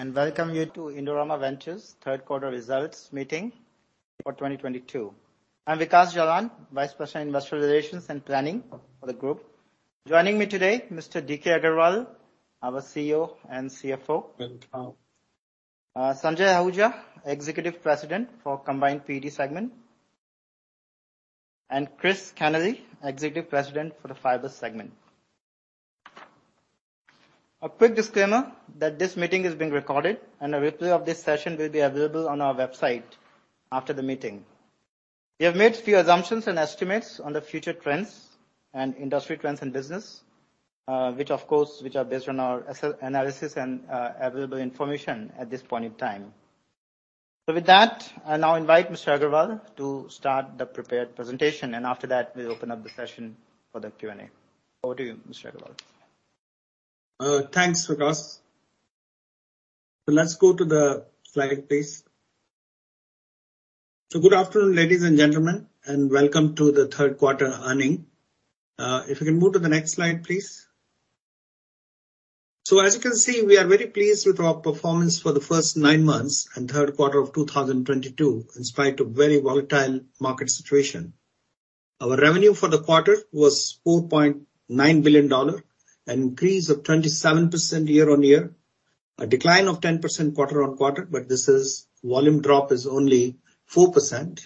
Welcome you to Indorama Q3 results meeting for 2022. I'm Vikash Jalan, Vice President, Investor Relations and Planning for the group. Joining me today, Mr. D.K. Agarwal, our CEO and CFO. Welcome. Sanjay Ahuja, Executive President for Combined PET segment. Christopher Kenneally, Executive President for the Fibers segment. A quick disclaimer that this meeting is being recorded, and a replay of this session will be available on our website after the meeting. We have made a few assumptions and estimates on the future trends and industry trends and business, which of course are based on our analysis and available information at this point in time. With that, I now invite Mr. Agarwal to start the prepared presentation, and after that, we'll open up the session for the Q&A. Over to you, Mr. Agarwal. Thanks, Vikash. Let's go to the slide, please. Good afternoon, ladies and gentlemen, and welcome to Q3 earnings. If you can move to the next slide, please. As you can see, we are very pleased with our performance for the first nine months Q3 of 2022, in spite of very volatile market situation. Our revenue for the quarter was $4.9 billion, an increase of 27% year-on-year. A decline of 10% quarter-on-quarter, but this volume drop is only 4%.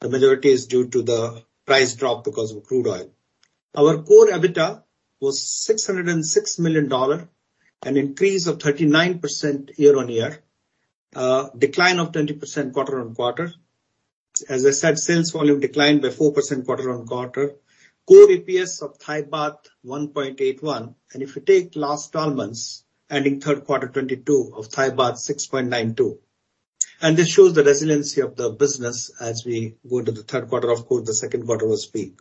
The majority is due to the price drop because of crude oil. Our core EBITDA was $606 million, an increase of 39% year-on-year. Decline of 20% quarter-on-quarter. As I said, sales volume declined by 4% quarter-on-quarter. Core EPS of 1.81. If you take last 12 months Q3 2022 of 6.92. This shows the resiliency of the business as we go into Q3. of course, Q2 was peak.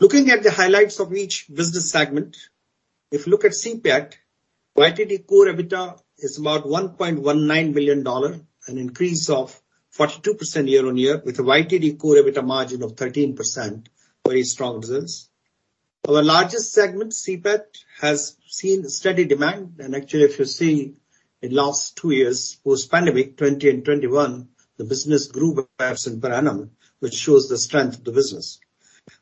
Looking at the highlights of each business segment, if you look at CPET, YTD core EBITDA is about $1.19 billion, an increase of 42% year-on-year with a YTD core EBITDA margin of 13%. Very strong results. Our largest segment, CPET, has seen steady demand. Actually, if you see in last two years, post-pandemic, 2020 and 2021, the business grew by % per annum, which shows the strength of the business.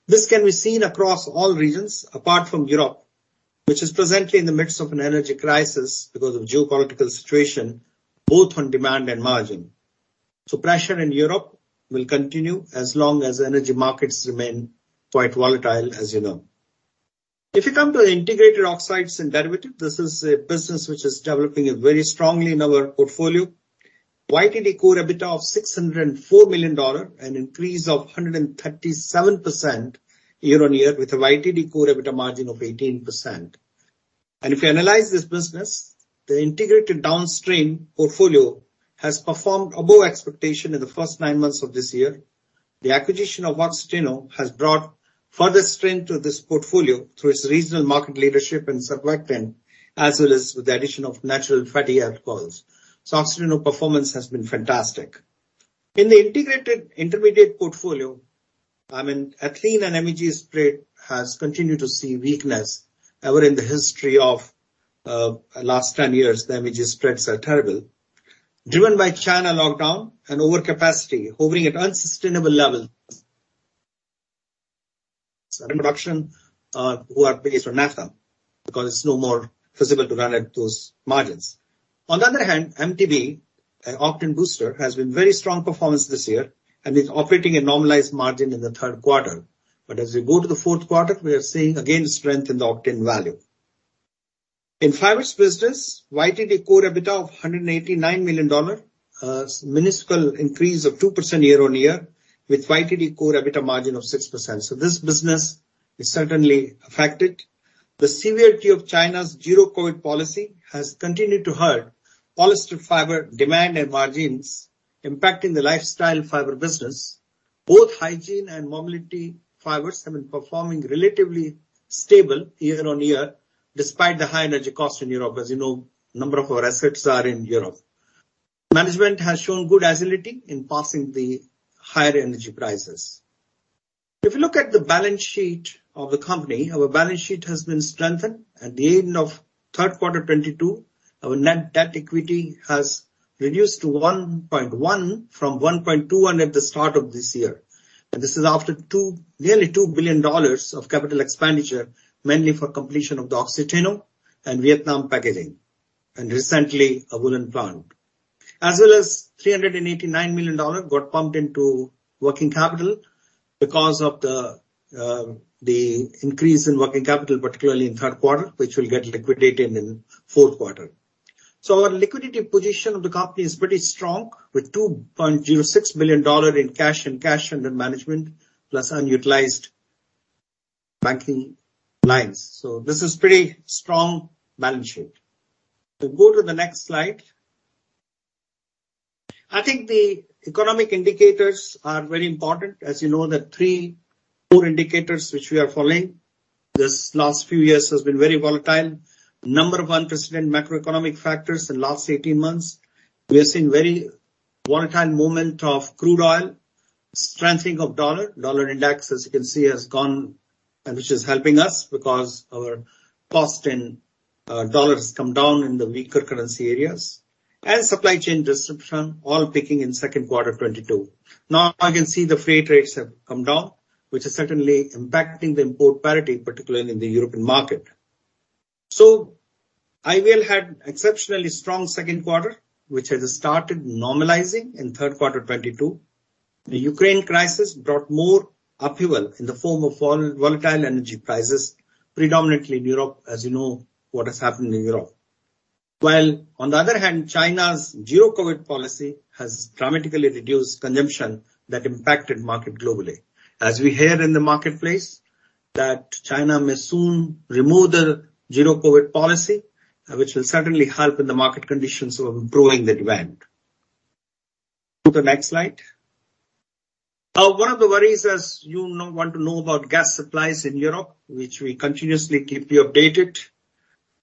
This can be seen across all regions apart from Europe, which is presently in the midst of an energy crisis because of geopolitical situation, both on demand and margin. Pressure in Europe will continue as long as energy markets remain quite volatile, as you know. If you come to the integrated oxides and derivatives, this is a business which is developing very strongly in our portfolio. YTD core EBITDA of $604 million, an increase of 137% year-on-year with a YTD core EBITDA margin of 18%. If you analyze this business, the integrated downstream portfolio has performed above expectation in the first nine months of this year. The acquisition of Oxiteno has brought further strength to this portfolio through its regional market leadership in surfactant, as well as with the addition of natural fatty alcohols. Oxiteno performance has been fantastic. In the integrated intermediate portfolio, I mean, ethylene and MEG spread has continued to see weakness. Never in the history of the last 10 years, the MEG spreads are terrible. Driven by China lockdown and overcapacity hovering at unsustainable levels. Producers who are based on naphtha because it's no more feasible to run at those margins. On the other hand, MTBE, an octane booster, has been very strong performance this year and is operating a normalized margin in Q3. but as we go to Q4, we are seeing again strength in the octane value. In Fibers business, YTD core EBITDA of $189 million, a minuscule increase of 2% year-on-year with YTD core EBITDA margin of 6%. This business is certainly affected. The severity of China's Zero-COVID policy has continued to hurt polyester fiber demand and margins impacting the lifestyle fiber business. Both hygiene and mobility fibers have been performing relatively stable year-on-year despite the high energy cost in Europe. As you know, a number of our assets are in Europe. Management has shown good agility in passing the higher energy prices. If you look at the balance sheet of the company, our balance sheet has been strengthened. At the end Q3 2022, our net debt equity has reduced to 1.1 from 1.21 at the start of this year. This is after nearly $2 billion of capital expenditure, mainly for completion of the Oxiteno and Vietnam packaging, and recently a Woola plant. As well as $389 million got pumped into working capital because of the increase in working capital, particularly Q3, which will get liquidated in Q4. Our liquidity position of the company is pretty strong with $2.06 million in cash and cash under management plus unutilized banking lines. This is pretty strong balance sheet. Go to the next slide. I think the economic indicators are very important. As you know, the three core indicators which we are following this last few years has been very volatile. A number of unprecedented macroeconomic factors in the last 18 months. We are seeing very volatile movement of crude oil. Strengthening of dollar. Dollar index, as you can see, has gone. Which is helping us because our cost in dollars come down in the weaker currency areas. Supply chain disruption all peaking Q2 2022. Now I can see the freight rates have come down, which is certainly impacting the import parity, particularly in the European market. IVL had exceptionally Q2, which has started normalizing Q3 2022. The Ukraine crisis brought more upheaval in the form of volatile energy prices, predominantly in Europe, as you know what has happened in Europe. While on the other hand, China's Zero-COVID policy has dramatically reduced consumption that impacted market globally. As we hear in the marketplace, that China may soon remove the Zero-COVID policy, which will certainly help in the market conditions of improving the demand. To the next slide. One of the worries as you know want to know about gas supplies in Europe, which we continuously keep you updated.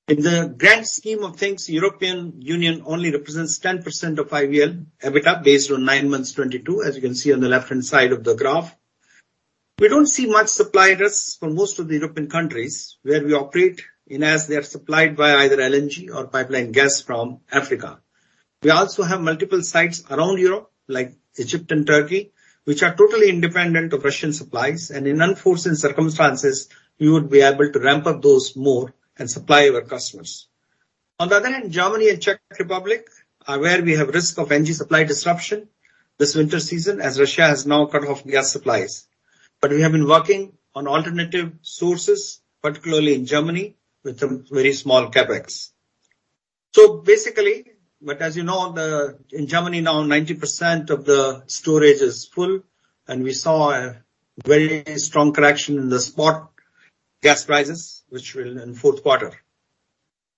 In the grand scheme of things, European Union only represents 10% of IVL EBITDA based on nine months 2022, as you can see on the left-hand side of the graph. We don't see much supply risk for most of the European countries where we operate in as they are supplied by either LNG or pipeline gas from Africa. We also have multiple sites around Europe, like Egypt and Turkey, which are totally independent of Russian supplies, and in unforeseen circumstances, we would be able to ramp up those more and supply our customers. On the other hand, Germany and Czech Republic are where we have risk of energy supply disruption this winter season, as Russia has now cut off gas supplies. We have been working on alternative sources, particularly in Germany, with some very small CapEx. As you know, in Germany now, 90% of the storage is full, and we saw a very strong correction in the spot gas prices, which will end Q4.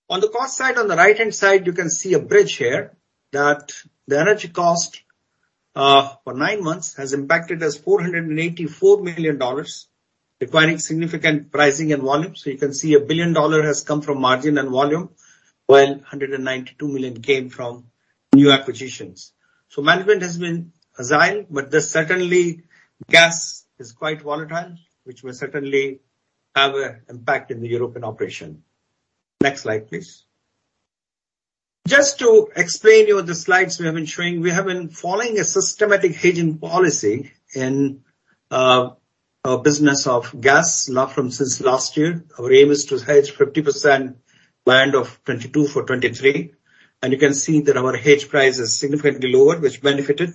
On the cost side, on the right-hand side, you can see a bridge here that the energy cost for nine months has impacted us $484 million, requiring significant pricing and volume. You can see $1 billion has come from margin and volume, while $192 million came from new acquisitions. Management has been agile, but there's certainly gas is quite volatile, which will certainly have a impact in the European operation. Next slide, please. Just to explain to you the slides we have been showing, we have been following a systematic hedging policy in our business of gas now from since last year. Our aim is to hedge 50% by end of 2022 for 2023. You can see that our hedge price is significantly lower, which benefited.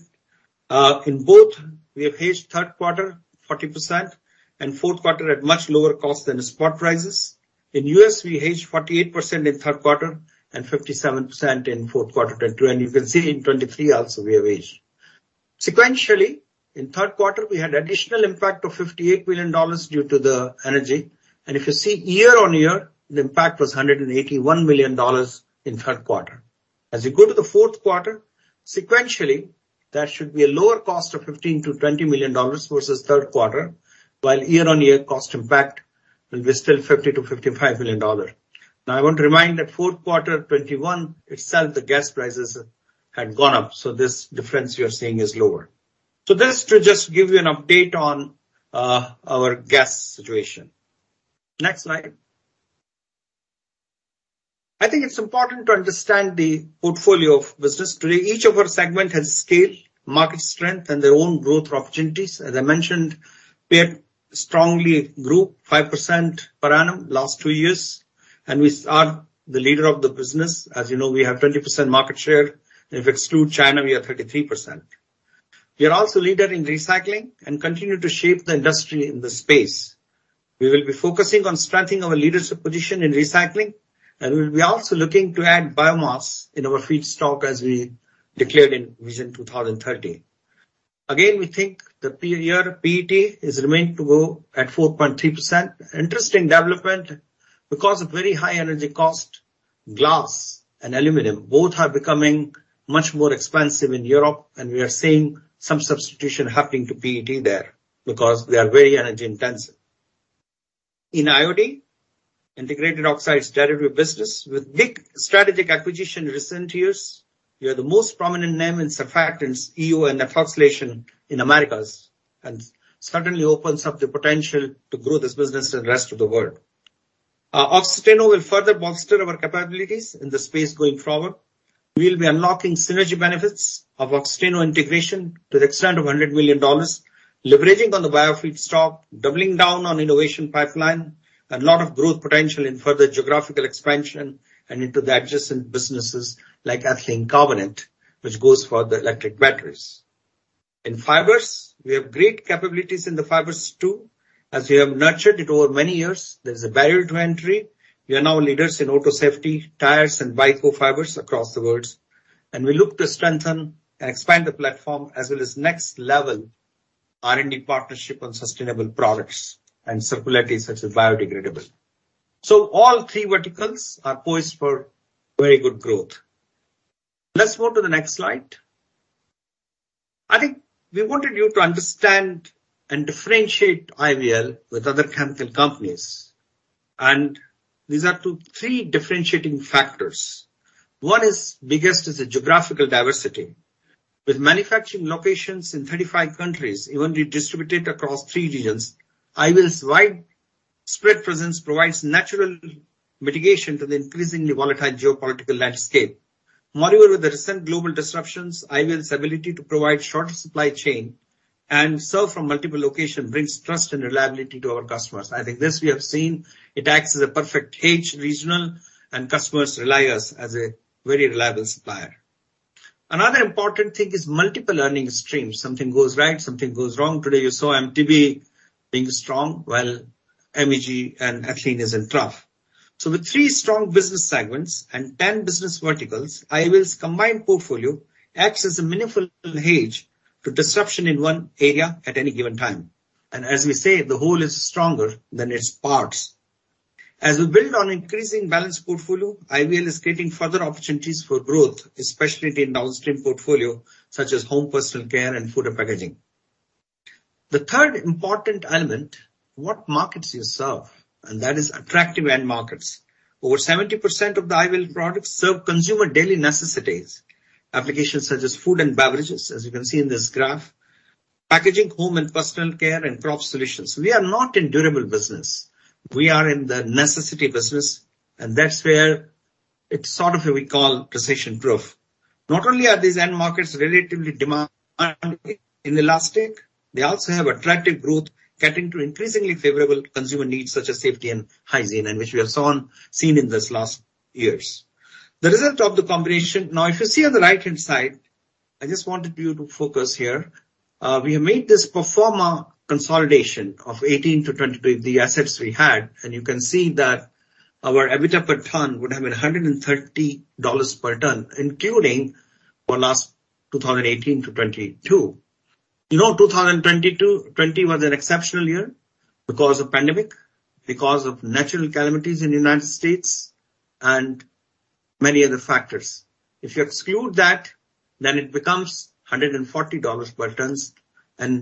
In both, we have Q3 40% Q4 at much lower cost than the spot prices. In U.S., we hedged 48% Q3 and 57% Q4 2022, and you can see in 2023 also we have hedged. Sequentially, Q3, we had additional impact of $58 million due to the energy. If you see year-on-year, the impact was $181 million Q3. as you go to Q4, sequentially, there should be a lower cost of $15-$20 million Q3, while year-on-year cost impact will be still $50-$55 million. Now, I want to remind Q4 2021 itself, the gas prices had gone up, so this difference you are seeing is lower. This is to just give you an update on our gas situation. Next slide. I think it's important to understand the portfolio of business. Today, each of our segments has scale, market strength, and their own growth opportunities. As I mentioned, PET strongly grew 5% per annum last two years, and we are the leader of the business. As you know, we have 20% market share. If it's ex-China, we are 33%. We are also leader in recycling and continue to shape the industry in this space. We will be focusing on strengthening our leadership position in recycling, and we'll be also looking to add biomass in our feedstock, as we declared in Vision 2030. Again, we think the per year PET remains to grow at 4.3%. Interesting development. Because of very high energy cost, glass and aluminum both are becoming much more expensive in Europe, and we are seeing some substitution happening to PET there because they are very energy intensive. In IOD, integrated oxides derivative business with big strategic acquisition recent years, we are the most prominent name in surfactants, EO and ethoxylation in Americas, and certainly opens up the potential to grow this business to the rest of the world. Oxiteno will further bolster our capabilities in this space going forward. We'll be unlocking synergy benefits of Oxiteno integration to the extent of $100 million, leveraging on the bio feedstock, doubling down on innovation pipeline, and lot of growth potential in further geographical expansion and into the adjacent businesses like ethylene carbonate, which goes for the electric batteries. In fibers, we have great capabilities in the fibers too. As we have nurtured it over many years, there is a barrier to entry. We are now leaders in auto safety, tires and bike fibers across the world, and we look to strengthen and expand the platform as well as next level R&D partnership on sustainable products and circularity such as biodegradable. All three verticals are poised for very good growth. Let's move to the next slide. I think we wanted you to understand and differentiate IVL with other chemical companies, and these are two, three differentiating factors. The biggest is the geographical diversity. With manufacturing locations in 35 countries, evenly distributed across three regions, IVL's widespread presence provides natural mitigation to the increasingly volatile geopolitical landscape. Moreover, with the recent global disruptions, IVL's ability to provide shorter supply chain and serve from multiple locations brings trust and reliability to our customers. I think this we have seen. It acts as a perfect hedge regionally, and customers rely on us as a very reliable supplier. Another important thing is multiple earning streams. Something goes right, something goes wrong. Today, you saw MTBE being strong, while MEG and ethylene is in trough. With 3 strong business segments and 10 business verticals, IVL's combined portfolio acts as a meaningful hedge to disruption in one area at any given time. As we say, the whole is stronger than its parts. As we build an increasingly balanced portfolio, IVL is creating further opportunities for growth, especially in downstream portfolio such as home, personal care, and food packaging. The third important element, what markets you serve, and that is attractive end markets. Over 70% of the IVL products serve consumer daily necessities. Applications such as food and beverages, as you can see in this graph, packaging, home and personal care, and crop solutions. We are not in durable business. We are in the necessity business, and that's where it's sort of we call recession-proof. Not only are these end markets relatively demand inelastic, they also have attractive growth catering to increasingly favorable consumer needs such as safety and hygiene, and which we have seen in these last years. The result of the combination. Now, if you see on the right-hand side, I just wanted you to focus here. We have made this pro forma consolidation of 2018 to 2022, the assets we had. You can see that our EBITDA per ton would have been $130 per ton, including for last 2018 to 2022. You know, 2020 to 2021 was an exceptional year because of pandemic, because of natural calamities in the United States, and many other factors. If you exclude that, then it becomes $140 per ton.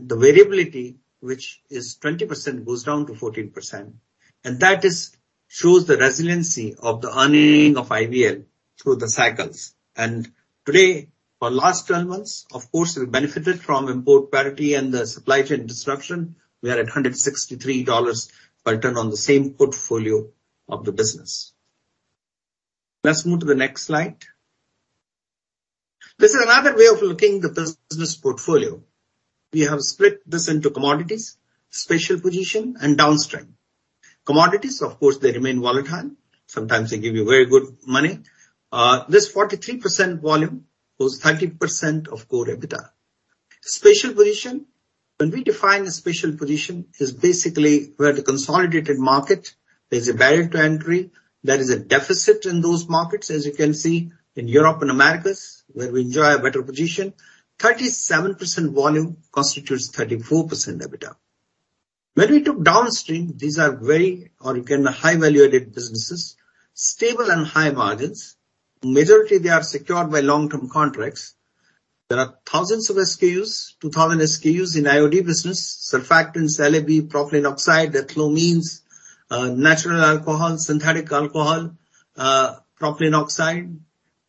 The variability, which is 20%, goes down to 14%. That shows the resiliency of the earnings of IVL through the cycles. Today, for last twelve months, of course, we benefited from import parity and the supply chain disruption. We are at $163 per ton on the same portfolio of the business. Let's move to the next slide. This is another way of looking at the business portfolio. We have split this into commodities, special position, and downstream. Commodities, of course, they remain volatile. Sometimes they give you very good money. This 43% volume was 13% of core EBITDA. special position, when we define a special position, is basically where the consolidated market, there's a barrier to entry, there is a deficit in those markets, as you can see in Europe and Americas, where we enjoy a better position. 37% volume constitutes 34% EBITDA. When we took downstream, these are very, or you can high value-added businesses, stable and high margins. Majority, they are secured by long-term contracts. There are thousands of SKUs, 2,000 SKUs in IOD business, surfactants, LAB, propylene oxide, ethylenes, natural alcohol, synthetic alcohol, propylene oxide.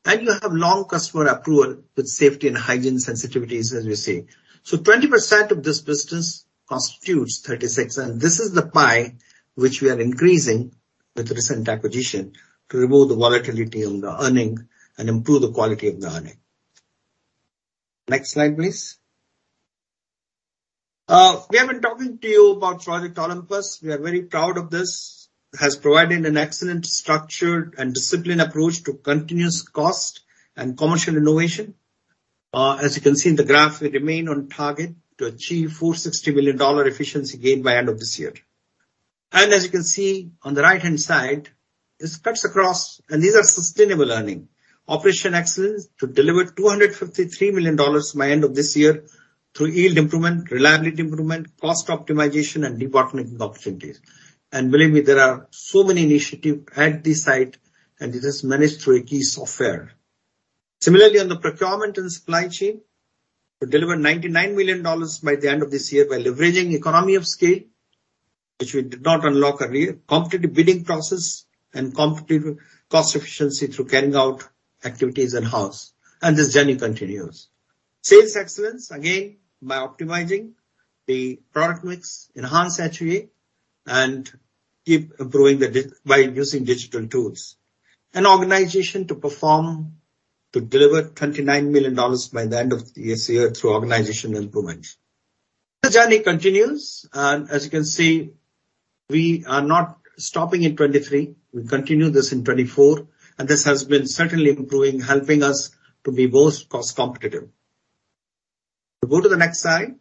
You have long customer approval with safety and hygiene sensitivities, as you see. 20% of this business constitutes 36. This is the pie which we are increasing with recent acquisition to remove the volatility on the earning and improve the quality of the earning. Next slide, please. We have been talking to you about Project Olympus. We are very proud of this. It has provided an excellent structured and disciplined approach to continuous cost and commercial innovation. As you can see in the graph, we remain on target to achieve $460 million efficiency gain by end of this year. As you can see on the right-hand side, this cuts across, and these are sustainable earnings. Operational excellence to deliver $253 million by end of this year through yield improvement, reliability improvement, cost optimization, and debottlenecking opportunities. Believe me, there are so many initiatives at this site, and it is managed through a key software. Similarly, on the procurement and supply chain, we deliver $99 million by the end of this year by leveraging economies of scale, which we did not unlock earlier, competitive bidding process, and competitive cost efficiency through carrying out activities in-house. This journey continues. Sales excellence, again, by optimizing the product mix, enhance HVA, and keep improving by using digital tools. Organization to perform to deliver $29 million by the end of this year through organization improvement. The journey continues, and as you can see, we are not stopping in 2023. We continue this in 2024, and this has been certainly improving, helping us to be most cost competitive. Go to the next slide.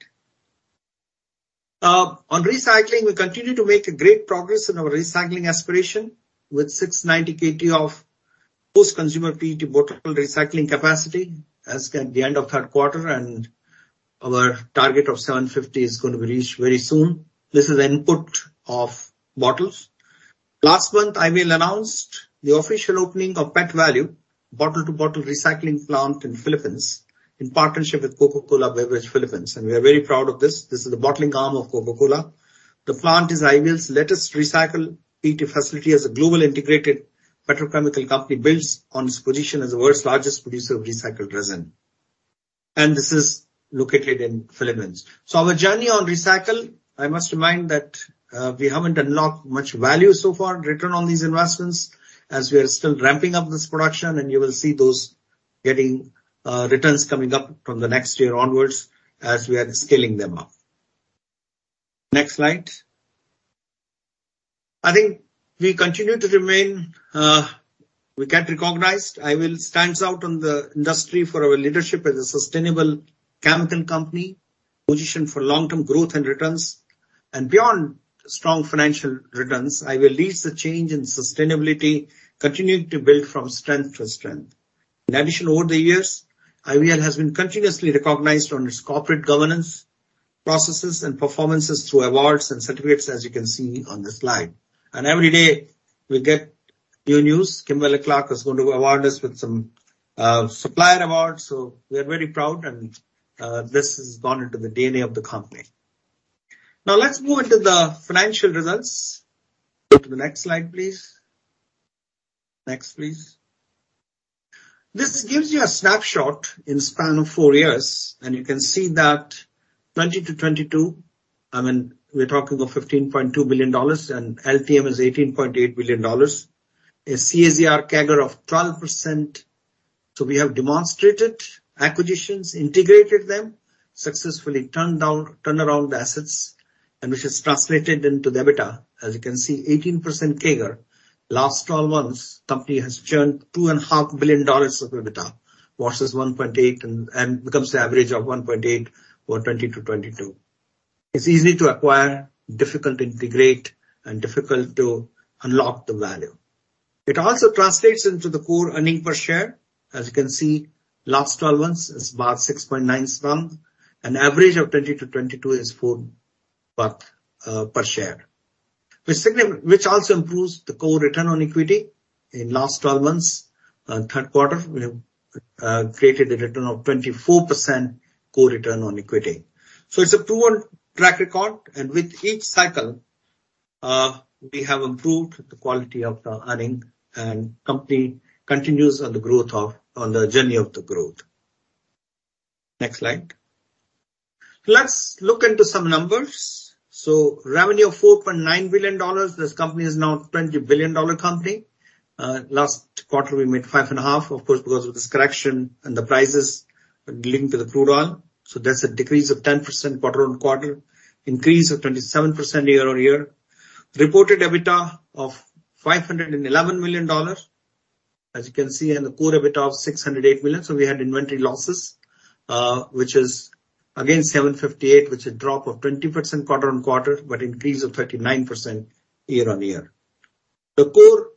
On recycling, we continue to make a great progress in our recycling aspiration with 690 KT of post-consumer PET bottle recycling capacity as at the end Q3, and our target of 750 is going to be reached very soon. This is input of bottles. Last month, IVL announced the official opening of PETValue bottle-to-bottle recycling plant in Philippines in partnership with Coca-Cola Beverages Philippines, and we are very proud of this. This is the bottling arm of Coca-Cola. The plant is IVL's latest recycled PET facility as a global integrated petrochemical company builds on its position as the world's largest producer of recycled resin. This is located in Philippines. Our journey on recycle, I must remind that, we haven't unlocked much value so far, return on these investments, as we are still ramping up this production and you will see those getting, returns coming up from the next year onwards as we are scaling them up. Next slide. I think we continue to remain, we get recognized. IVL stands out on the industry for our leadership as a sustainable chemical company, positioned for long-term growth and returns. Beyond strong financial returns, IVL leads the change in sustainability, continuing to build from strength to strength. In addition, over the years, IVL has been continuously recognized on its corporate governance, processes and performances through awards and certificates, as you can see on the slide. Every day we get new news. Kimberly-Clark is going to award us with some supplier awards, so we are very proud and this has gone into the DNA of the company. Now, let's move into the financial results. Go to the next slide, please. Next, please. This gives you a snapshot in span of four years, and you can see that 2020-2022, I mean, we're talking of $15.2 billion and LTM is $18.8 billion. A CAGR of 12%. We have demonstrated acquisitions, integrated them, successfully turnaround the assets and which has translated into the EBITDA. As you can see, 18% CAGR. Last twelve months, company has churned $2.5 billion of EBITDA versus $1.8 and being the average of $1.8 for 2020-2022. It's easy to acquire, difficult to integrate and difficult to unlock the value. It also translates into the core earnings per share. As you can see, last twelve months is 6.9. An average of 2020-2022 is 4 per share. Which also improves the core return on equity. In last twelve Q3, we have created a return of 24% core return on equity. It's a proven track record and with each cycle, we have improved the quality of the earnings and company continues on the journey of the growth. Next slide. Let's look into some numbers. Revenue of $4.9 billion. This company is now a $20 billion company. Last quarter we made $5.5 billion. Of course, because of this correction and the prices linked to the crude oil. That's a decrease of 10% quarter-on-quarter, increase of 27% year-on-year. Reported EBITDA of $511 million, as you can see, and a core EBITDA of $608 million. We had inventory losses, which is again 758, which is a drop of 20% quarter-on-quarter, but increase of 39% year-on-year. The core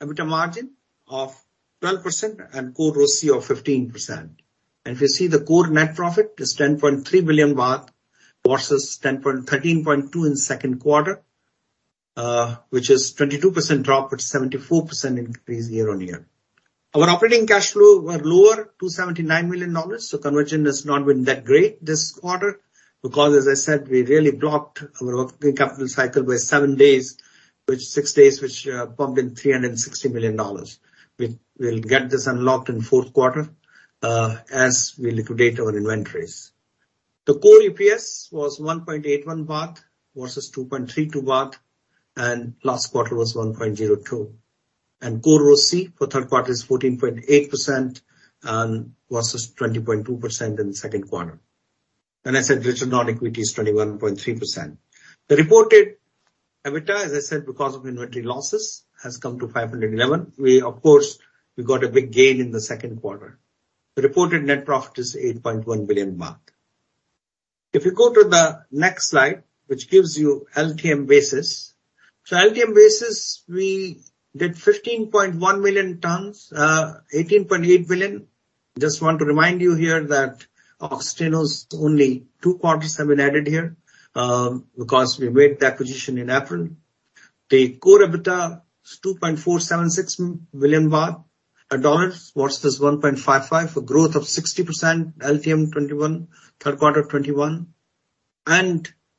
EBITDA margin of 12% and core ROC of 15%. If you see the core net profit is 10.3 billion baht versus thirteen point two Q2, which is 22% drop, but 74% increase year-on-year. Our operating cash flow were lower, $279 million. Conversion has not been that great this quarter because as I said, we really blocked our working capital cycle by 7 days, which 6 days pumped in $360 million. We'll get this unlocked Q4 as we liquidate our inventories. The core EPS was 1.81 baht versus 2.32 baht, and last quarter was 1.02 THB. Core ROC Q3 is 14.8% versus 20.2% Q2. i said return on equity is 21.3%. The reported EBITDA, as I said, because of inventory losses, has come to 511 million. Of course, we got a big gain in Q2. the reported net profit is 8.1 billion baht. If you go to the next slide, which gives you LTM basis. LTM basis, we did 15.1 million tons, $18.8 billion. Just want to remind you here that Oxiteno's only two quarters have been added here, because we made the acquisition in April. The core EBITDA is THB 2.476 billion. Dollars versus $1.55. A growth of 60% LTM Q3 2021.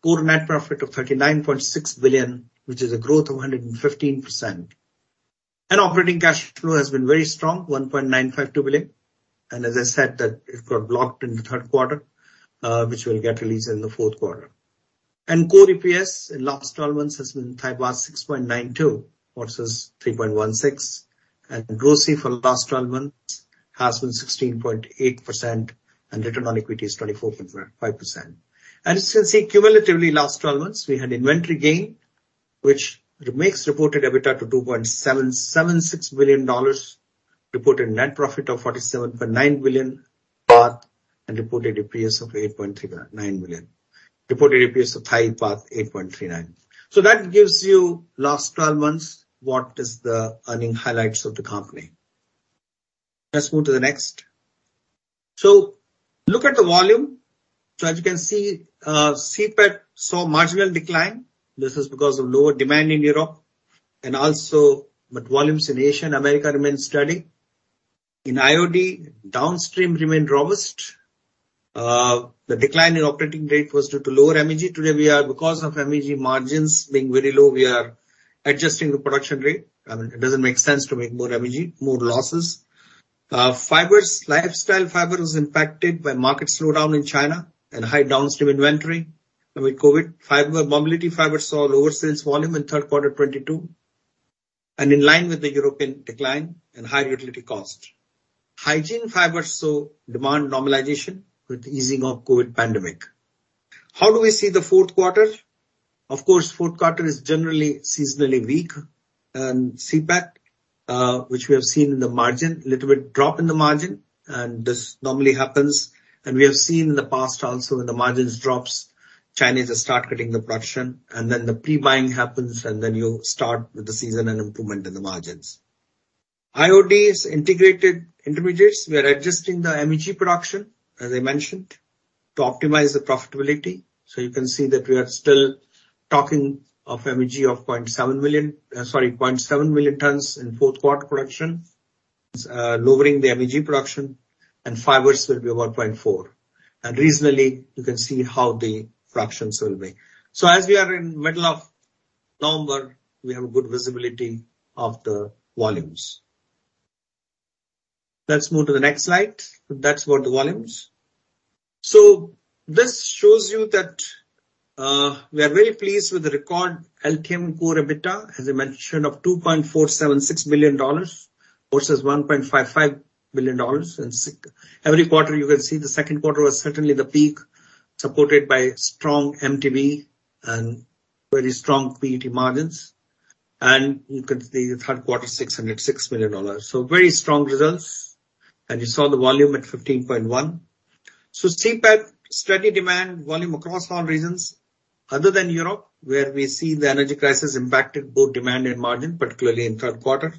Core net profit of 39.6 billion, which is a growth of 115%. Operating cash flow has been very strong, 1.952 billion. As I said that it got blocked in Q3, which will get released in the Q4. Core EPS in last twelve months has been 6.92 versus 3.16. ROC for last twelve months has been 16.8% and return on equity is 24.5%. As you can see, cumulatively last twelve months we had inventory gain, which makes reported EBITDA to $2.776 billion. Reported net profit of 47.9 billion baht and reported EPS of 8.39 billion. Reported EPS of THB 8.39. That gives you last twelve months, what is the earnings highlights of the company. Let's move to the next. Look at the volume. As you can see, CPET saw marginal decline. This is because of lower demand in Europe and also but volumes in Asia, America remains steady. In IOD, downstream remained robust. The decline in operating rate was due to lower MEG. Because of MEG margins being very low, we are adjusting the production rate. I mean, it doesn't make sense to make more MEG, more losses. Fibers. Lifestyle fiber was impacted by market slowdown in China and high downstream inventory. I mean, COVID. Mobility fibers saw lower sales volume Q3 2022 and in line with the European decline and higher utility cost. Hygiene fibers saw demand normalization with the easing of COVID pandemic. How do we see Q4? of Q4 is generally seasonally weak in CPET, which we have seen in the margin. Little bit drop in the margin, and this normally happens. We have seen in the past also when the margins drop, Chinese start cutting the production and then the pre-buying happens, and then you start with the season and improvement in the margins. IOD's integrated intermediates. We are adjusting the MEG production, as I mentioned, to optimize the profitability. You can see that we are still talking of MEG of 0.7 million tons Q4 production. It's lowering the MEG production. Fibers will be about 0.4. Regionally, you can see how the fractions will be. As we are in middle of November, we have a good visibility of the volumes. Let's move to the next slide. That's about the volumes. This shows you that we are very pleased with the record LTM core EBITDA, as I mentioned, of $2.476 billion versus $1.55 billion. Every quarter you can see Q2 was certainly the peak, supported by strong MTBE and very strong PET margins. You can see Q3, $606 million. Very strong results. You saw the volume at 15.1. CPET, steady demand volume across all regions other than Europe, where we see the energy crisis impacted both demand and margin, particularly Q3.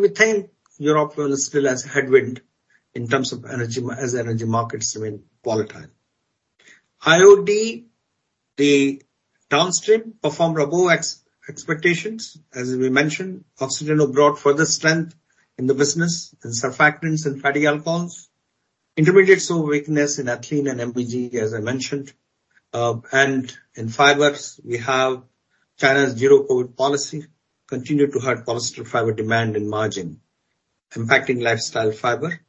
we think Europe will still be a headwind in terms of energy markets as energy markets remain volatile. IOD, the downstream performed above expectations. As we mentioned, Oxiteno brought further strength in the business in surfactants and fatty alcohols. Intermediates saw weakness in ethylene and MEG, as I mentioned. In fibers, we have China's Zero-COVID policy continued to hurt polyester fiber demand and margin, impacting lifestyle fiber.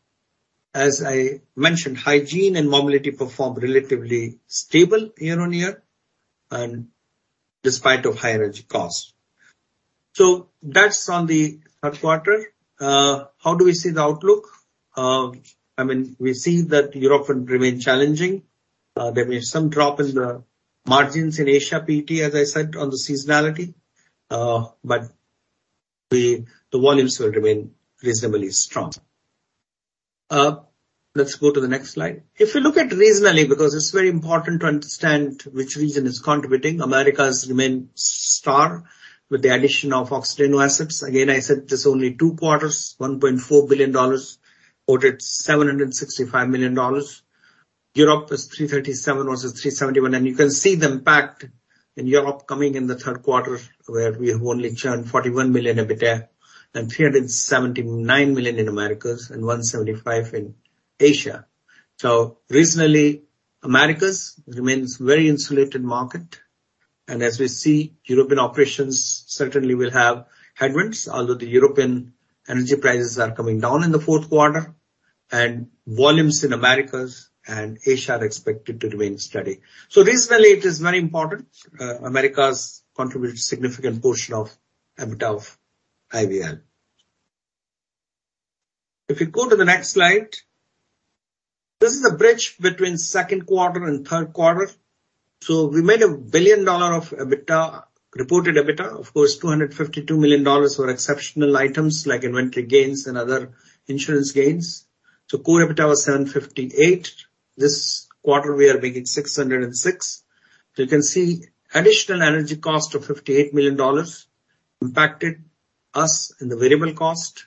As I mentioned, hygiene and mobility performed relatively stable year-on-year and despite of higher energy cost. That's on Q3. how do we see the outlook? I mean, we see that Europe will remain challenging. There may be some drop in the margins in Asia PET, as I said, on the seasonality. The volumes will remain reasonably strong. Let's go to the next slide. If you look at it regionally, because it's very important to understand which region is contributing. Americas remain strong with the addition of Oxiteno assets. Again, I said there's only two quarters, $1.4 billion versus $765 million. Europe was $337 million versus $371 million. You can see the impact in Europe coming in Q3, where we have only churned $41 million EBITDA and $379 million in Americas and $175 million in Asia. Regionally, Americas remains very insulated market. As we see, European operations certainly will have headwinds, although the European energy prices are coming down in Q4. volumes in Americas and Asia are expected to remain steady. Regionally, it is very important. Americas contribute a significant portion of EBITDA of IVL. If you go to the next slide. This is a bridge Q3. we made $1 billion of EBITDA, reported EBITDA. Of course, $252 million were exceptional items like inventory gains and other insurance gains. Core EBITDA was $758 million. This quarter we are making $606. You can see additional energy cost of $58 million impacted us in the variable cost.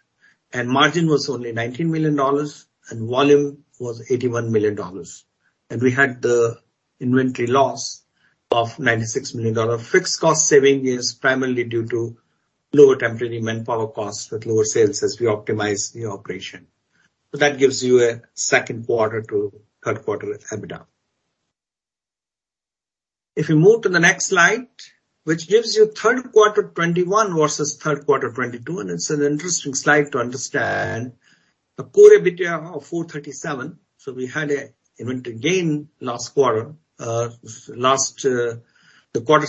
Margin was only $19 million, and volume was $81 million. We had the inventory loss of $96 million. Fixed cost saving is primarily due to lower temporary manpower costs with lower sales as we optimize the operation. That gives you Q3 ebitda. If you move to the next slide, which gives Q3 2021 Q3 2022. It's an interesting slide to understand. The core EBITDA of $437. We had an inventory gain last quarter, the same quarter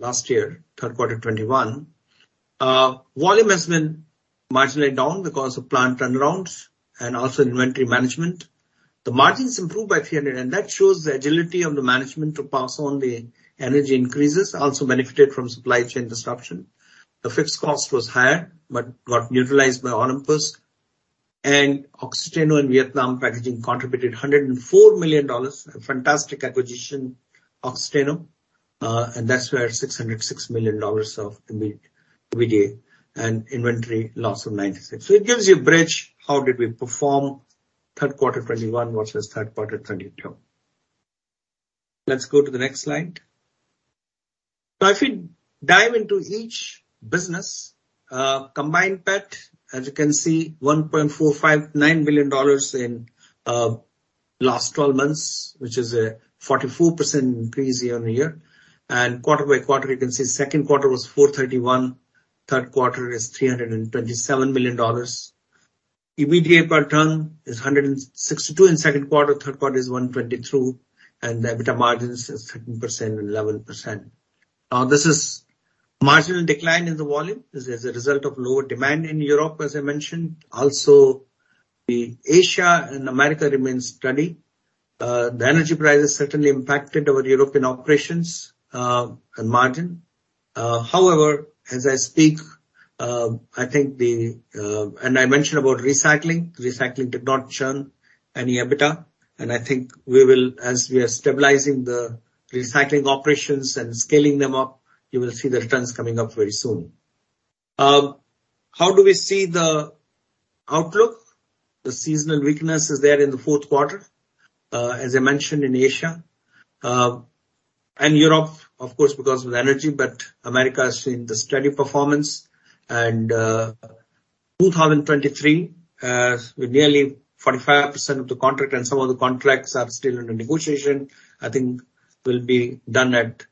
last Q3 2021. Volume has been marginally down because of plant turnarounds and also inventory management. The margins improved by 300, and that shows the agility of the management to pass on the energy increases, also benefited from supply chain disruption. The fixed cost was higher, but got neutralized by Olympus. Oxiteno and Vietnam packaging contributed $104 million. A fantastic acquisition, Oxiteno, and that's where $606 million of EBITDA and inventory loss of $96. It gives you a bridge, how did we Q3 2021 Q3 2022. let's go to the next slide. Now if we dive into each business, Combined PET, as you can see, $1.459 billion in last twelve months, which is a 44% increase year-on-year. Quarter by quarter, you can Q2 was Q3 is $327 million. EBITDA per ton is q2, Q3 is $122, and the EBITDA margins is 13% and 11%. Now, this is marginal decline in the volume. This is as a result of lower demand in Europe, as I mentioned. Also, the Asia and America remains steady. The energy prices certainly impacted our European operations and margin. However, as I speak, I think and I mentioned about recycling. Recycling did not churn any EBITDA. I think we will, as we are stabilizing the recycling operations and scaling them up, you will see the returns coming up very soon. How do we see the outlook? The seasonal weakness is there in Q4, as I mentioned in Asia and Europe, of course, because of the energy, but America has seen the steady performance. 2023 with nearly 45% of the contract and some of the contracts are still under negotiation, I think will be done at,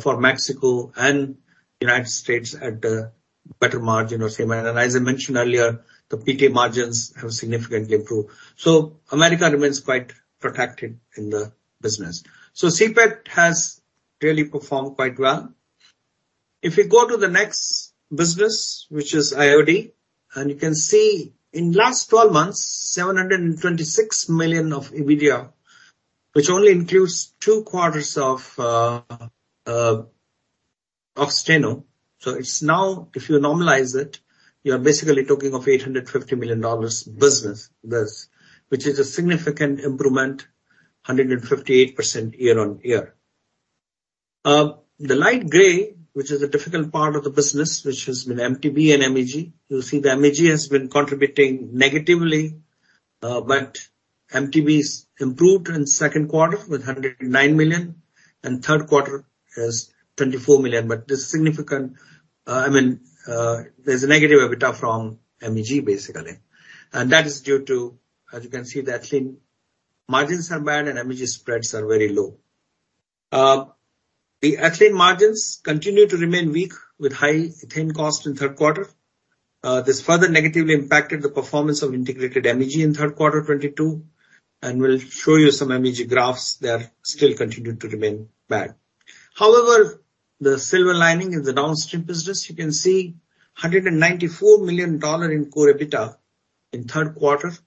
for Mexico and United States at a better margin or same. As I mentioned earlier, the PTA margins have significantly improved. America remains quite protected in the business. CPET has really performed quite well. If you go to the next business, which is IOD, and you can see in last twelve months, $726 million of EBITDA, which only includes 2 quarters of Oxiteno. It's now, if you normalize it, you're basically talking of $850 million business thus, which is a significant improvement, 158% year-on-year. The light gray, which is the difficult part of the business, which has been MTBE and MEG. You'll see the MEG has been contributing negatively, but MTBE's improved Q2 with $109 million, Q3 is $24 million. I mean, there's a negative EBITDA from MEG, basically. That is due to, as you can see, the ethylene margins are bad and MEG spreads are very low. The ethylene margins continue to remain weak with high ethane cost Q3. this further negatively impacted the performance of integrated MEG Q3 2022 and will show you some MEG graphs. They are still continuing to remain bad. However, the silver lining in the downstream business, you can see $194 million in core EBITDA Q3,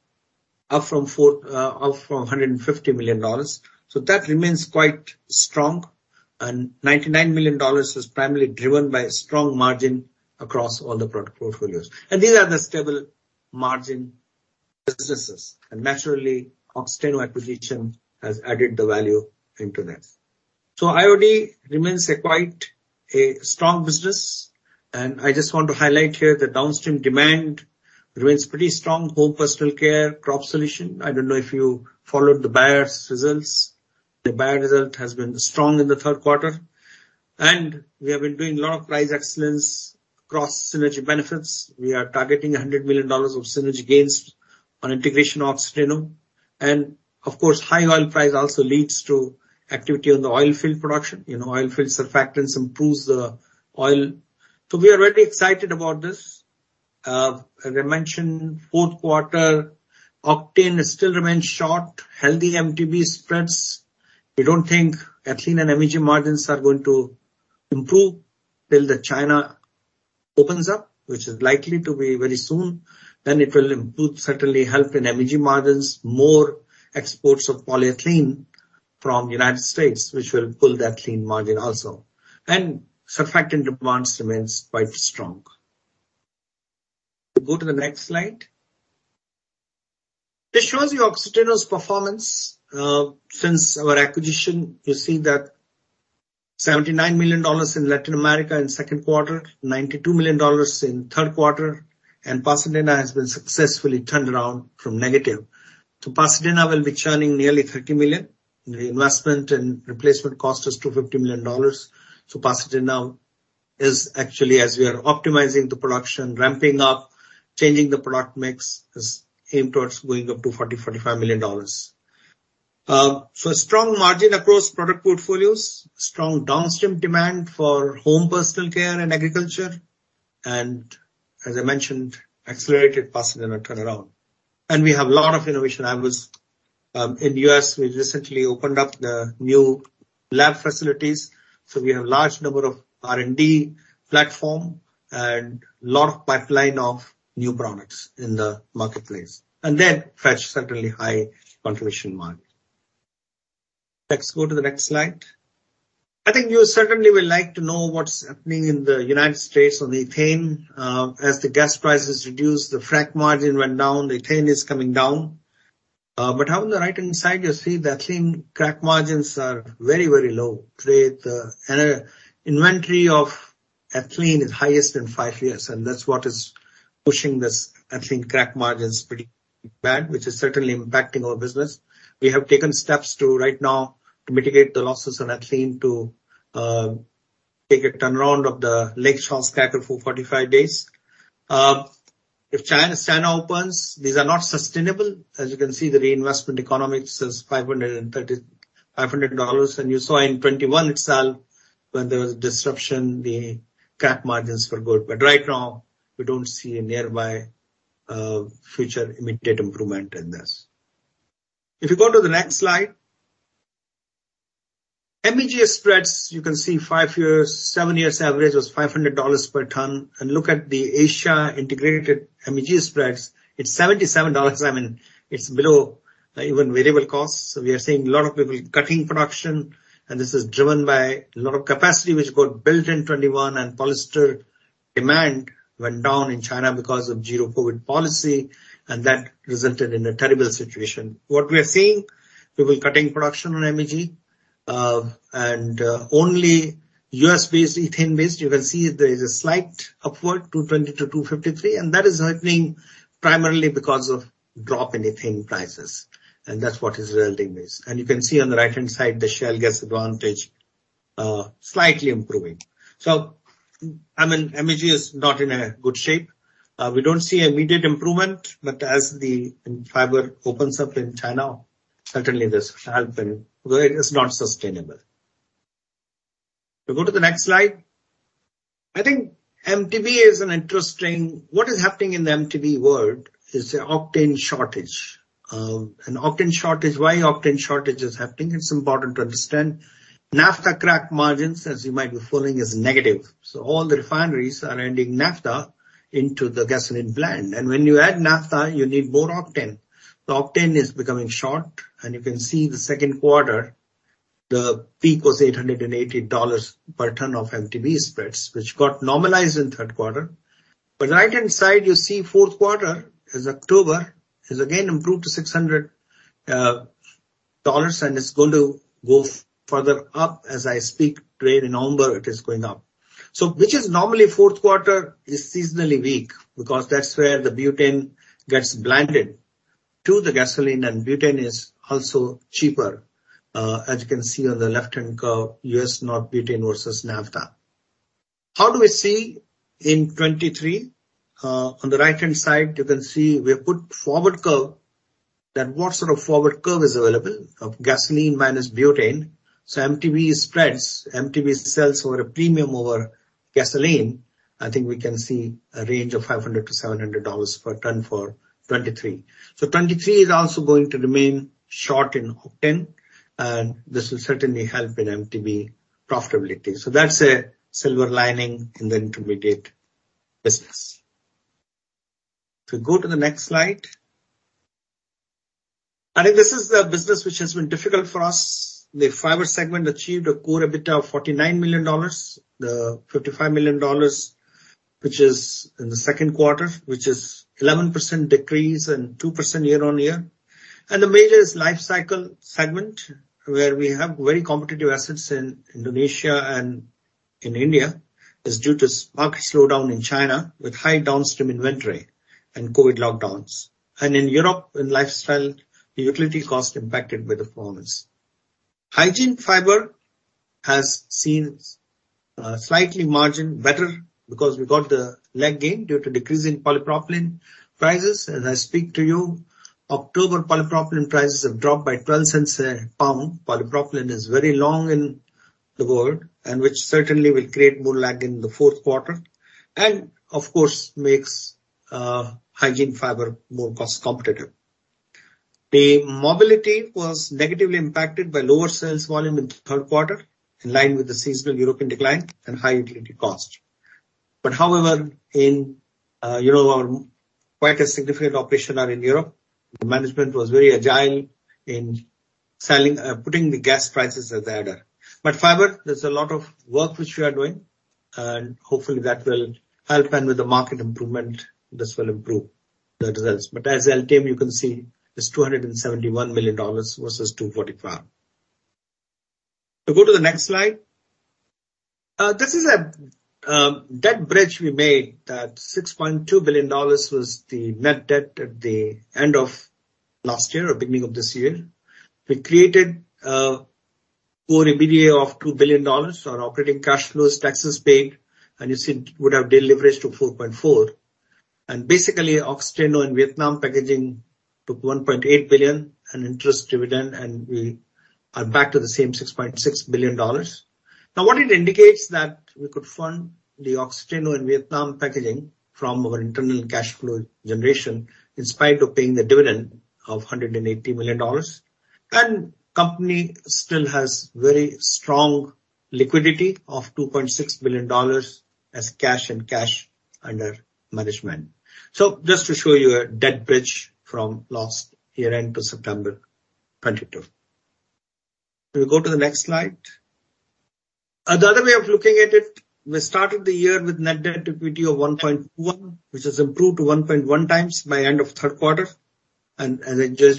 up from $150 million. That remains quite strong. $99 million was primarily driven by strong margin across all the product portfolios. These are the stable margin businesses. Naturally, Oxiteno acquisition has added the value into this. IOD remains quite a strong business. I just want to highlight here the downstream demand remains pretty strong. Home personal care, crop solution. I don't know if you followed the Bayer's results. The Bayer result has been strong in Q3. we have been doing a lot of price excellence across synergy benefits. We are targeting $100 million of synergy gains on integration of Oxiteno. Of course, high oil price also leads to activity on the oil field production. You know, oil field surfactants improves the oil. We are very excited about this. As I Q4 octane still remains short, healthy MTBE spreads. We don't think ethylene and MEG margins are going to improve till China opens up, which is likely to be very soon, then it will improve, certainly help in MEG margins, more exports of polyethylene from United States, which will pull the ethylene margin also. Surfactant demand remains quite strong. Go to the next slide. This shows you Oxiteno's performance since our acquisition. You see that $79 million in Latin America Q2, $92 million Q3, and Pasadena has been successfully turned around from negative. Pasadena will be churning nearly $30 million. The investment and replacement cost is $250 million. Pasadena is actually, as we are optimizing the production, ramping up, changing the product mix, aimed towards going up to $40-$45 million. A strong margin across product portfolios, strong downstream demand for home personal care and agriculture, and as I mentioned, accelerated Pasadena turnaround. We have a lot of innovation. I was in the U.S., we recently opened up the new lab facilities, so we have large number of R&D platform and lot of pipeline of new products in the marketplace. They fetch certainly high contribution margin. Let's go to the next slide. I think you certainly will like to know what's happening in the United States on the ethane. As the gas prices reduce, the crack margin went down, the ethane is coming down. On the right-hand side, you'll see the ethylene crack margins are very, very low. With the inventory of ethylene highest in five years, and that's what is pushing this ethylene crack margins pretty bad, which is certainly impacting our business. We have taken steps right now to mitigate the losses on ethylene to take a turnaround of the Lake Charles cracker for 45 days. If China's demand opens, these are not sustainable. As you can see, the reinvestment economics is $500. You saw in 2021 itself, when there was disruption, the crack margins were good. But right now, we don't see a nearby future immediate improvement in this. If you go to the next slide. MEG spreads, you can see five years, seven years average was $500 per ton. Look at the Asia integrated MEG spreads, it's $77. I mean, it's below even variable costs. We are seeing a lot of people cutting production. This is driven by a lot of capacity which got built in 2021 and polyester demand went down in China because of Zero-COVID policy, and that resulted in a terrible situation. What we are seeing, people cutting production on MEG, and only U.S.-based ethane-based, you can see there is a slight upward, $220-$253, and that is happening primarily because of drop in ethane prices, and that's what is yielding this. You can see on the right-hand side, the shale gas advantage, slightly improving. I mean, MEG is not in a good shape. We don't see immediate improvement, but as the fiber opens up in China, certainly this will help them where it is not sustainable. If you go to the next slide. I think MTBE is an interesting. What is happening in the MTBE world is the octane shortage. Octane shortage. Why octane shortage is happening, it's important to understand. Naphtha crack margins, as you might be following, is negative. All the refineries are adding Naphtha into the gasoline blend. When you add Naphtha, you need more octane. The octane is becoming short, and you can see Q2, the peak was $880 per ton of MTBE spreads, which got normalized Q3. right-hand side, you Q4 as October has again improved to $600, and it's going to go further up as I speak today, in November, it is going up. Which is Q4 is seasonally weak because that's where the butane gets blended to the gasoline, and butane is also cheaper, as you can see on the left-hand curve, US North Butane versus naphtha. How do we see in 2023? On the right-hand side, you can see we have put forward curve that what sort of forward curve is available of gasoline minus butane. MTBE spreads, MTBE sells over a premium over gasoline. I think we can see a range of $500-$700 per ton for 2023. 2023 is also going to remain short in octane, and this will certainly help in MTBE profitability. That's a silver lining in the intermediate business. If you go to the next slide. I think this is the business which has been difficult for us. The Fibers segment achieved a core EBITDA of $49 million. The $55 million, which is in Q2, which is 11% decrease and 2% year-on-year. The lifestyle segment, where we have very competitive assets in Indonesia and in India, is due to market slowdown in China with high downstream inventory and COVID lockdowns. In Europe, in lifestyle, the utility cost impacted by the war. Hygiene fiber has seen slightly margin better because we got the lag gain due to decrease in polypropylene prices. As I speak to you, October polypropylene prices have dropped by 12 cents a pound. Polypropylene is very long in the world, and which certainly will create more lag in Q4, and of course, makes hygiene fiber more cost competitive. The Fibers was negatively impacted by lower sales volume Q3, in line with the seasonal European decline and high utility cost. However, quite a significant operational in Europe, the management was very agile in selling, putting the gas prices as they are. Fibers, there's a lot of work which we are doing, and hopefully that will help. With the market improvement, this will improve the results. As LTM, you can see it's $271 million versus $245. If you go to the next slide. This is a debt bridge we made. That $6.2 billion was the net debt at the end of last year or beginning of this year. We created core EBITDA of $2 billion, our operating cash flows, taxes paid, and you see it would have deleveraged to 4.4. Basically, Oxiteno and Vietnam packaging took $1.8 billion in interest and dividend, and we are back to the same $6.6 billion. Now, what it indicates that we could fund the Oxiteno and Vietnam packaging from our internal cash flow generation, in spite of paying the dividend of $180 million. Company still has very strong liquidity of $2.6 billion as cash and cash under management. Just to show you a debt bridge from last year-end to September 2022. If you go to the next slide. The other way of looking at it, we started the year with net debt to equity of 1.1, which has improved to 1.1 times by end Q3.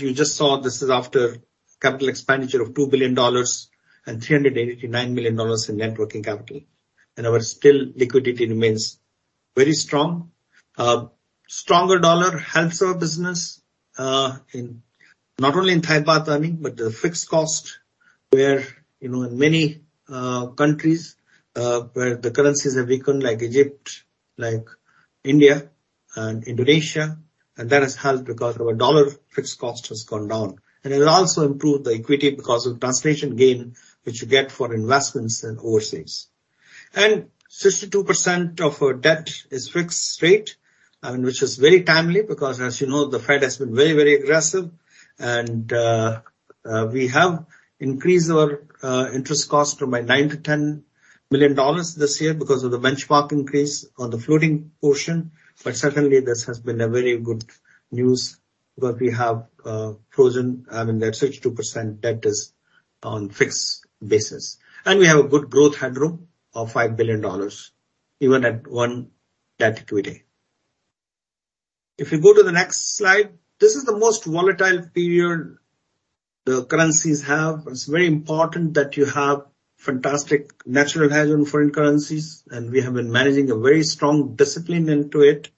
you just saw this is after capital expenditure of $2 billion and $389 million in net working capital. Our liquidity still remains very strong. Stronger dollar helps our business in not only Thai baht I mean, but the fixed cost where, you know, in many countries where the currencies have weakened like Egypt, like India and Indonesia, and that has helped because our dollar fixed cost has gone down. It will also improve the equity because of translation gain which you get for investments overseas. 62% of our debt is fixed rate, which is very timely because as you know, the Fed has been very, very aggressive and we have increased our interest cost by $9 million-$10 million this year because of the benchmark increase on the floating portion. Certainly this has been very good news because we have frozen, I mean, that 62% debt is on fixed basis. We have a good growth headroom of $5 billion even at 1 debt equity. If you go to the next slide. This is the most volatile period the currencies have. It's very important that you have fantastic natural hedge on foreign currencies, and we have been managing a very strong discipline into it.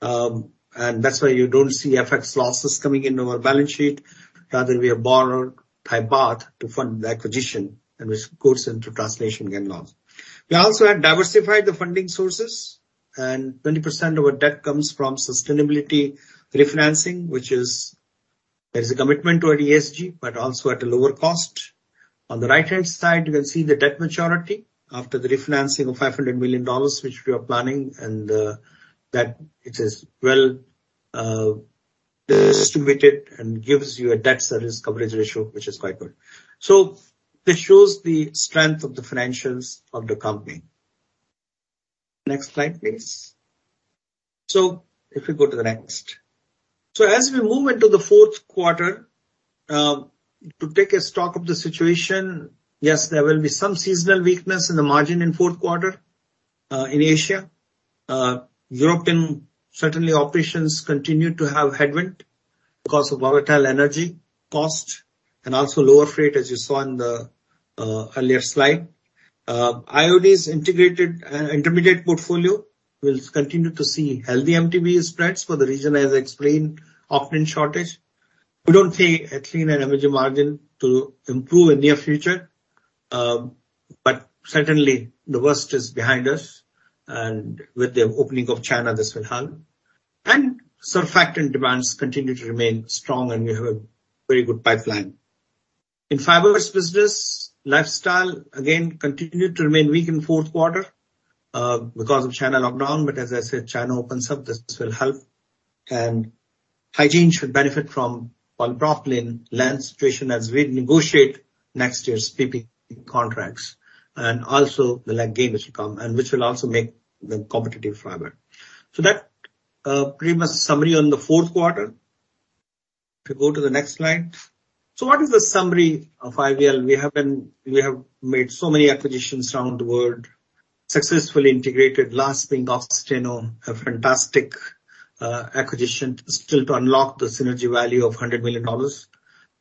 That's why you don't see FX losses coming into our balance sheet. Rather, we have borrowed Thai baht to fund the acquisition and which goes into translation gain loss. We also have diversified the funding sources and 20% of our debt comes from sustainability refinancing, which there's a commitment to an ESG but also at a lower cost. On the right-hand side, you can see the debt maturity after the refinancing of $500 million, which we are planning and that it is well distributed and gives you a debt service coverage ratio, which is quite good. This shows the strength of the financials of the company. Next slide, please. As we move into Q4, to take a stock of the situation, yes, there will be some seasonal weakness in the margin Q4, in Asia. European operations certainly continue to have headwind because of volatile energy cost and also lower freight as you saw on the earlier slide. IOD's integrated intermediate portfolio will continue to see healthy MTBE spreads for the reason I have explained, octane shortage. We don't see ethylene and energy margin to improve in near future, but certainly the worst is behind us, and with the opening of China, this will help. Surfactant demands continue to remain strong, and we have a very good pipeline. In fibers business, lifestyle again continued to remain weak Q4, because of China lockdown. As I said, China opens up, this will help. Hygiene should benefit from polypropylene lag situation as we negotiate next year's PP contracts and also the lag gain which will come and which will also make the competitive fiber. That pretty much summary on Q4. if you go to the next slide. What is the summary of IVL? We have made so many acquisitions around the world, successfully integrated last being Oxiteno, a fantastic acquisition still to unlock the synergy value of $100 million.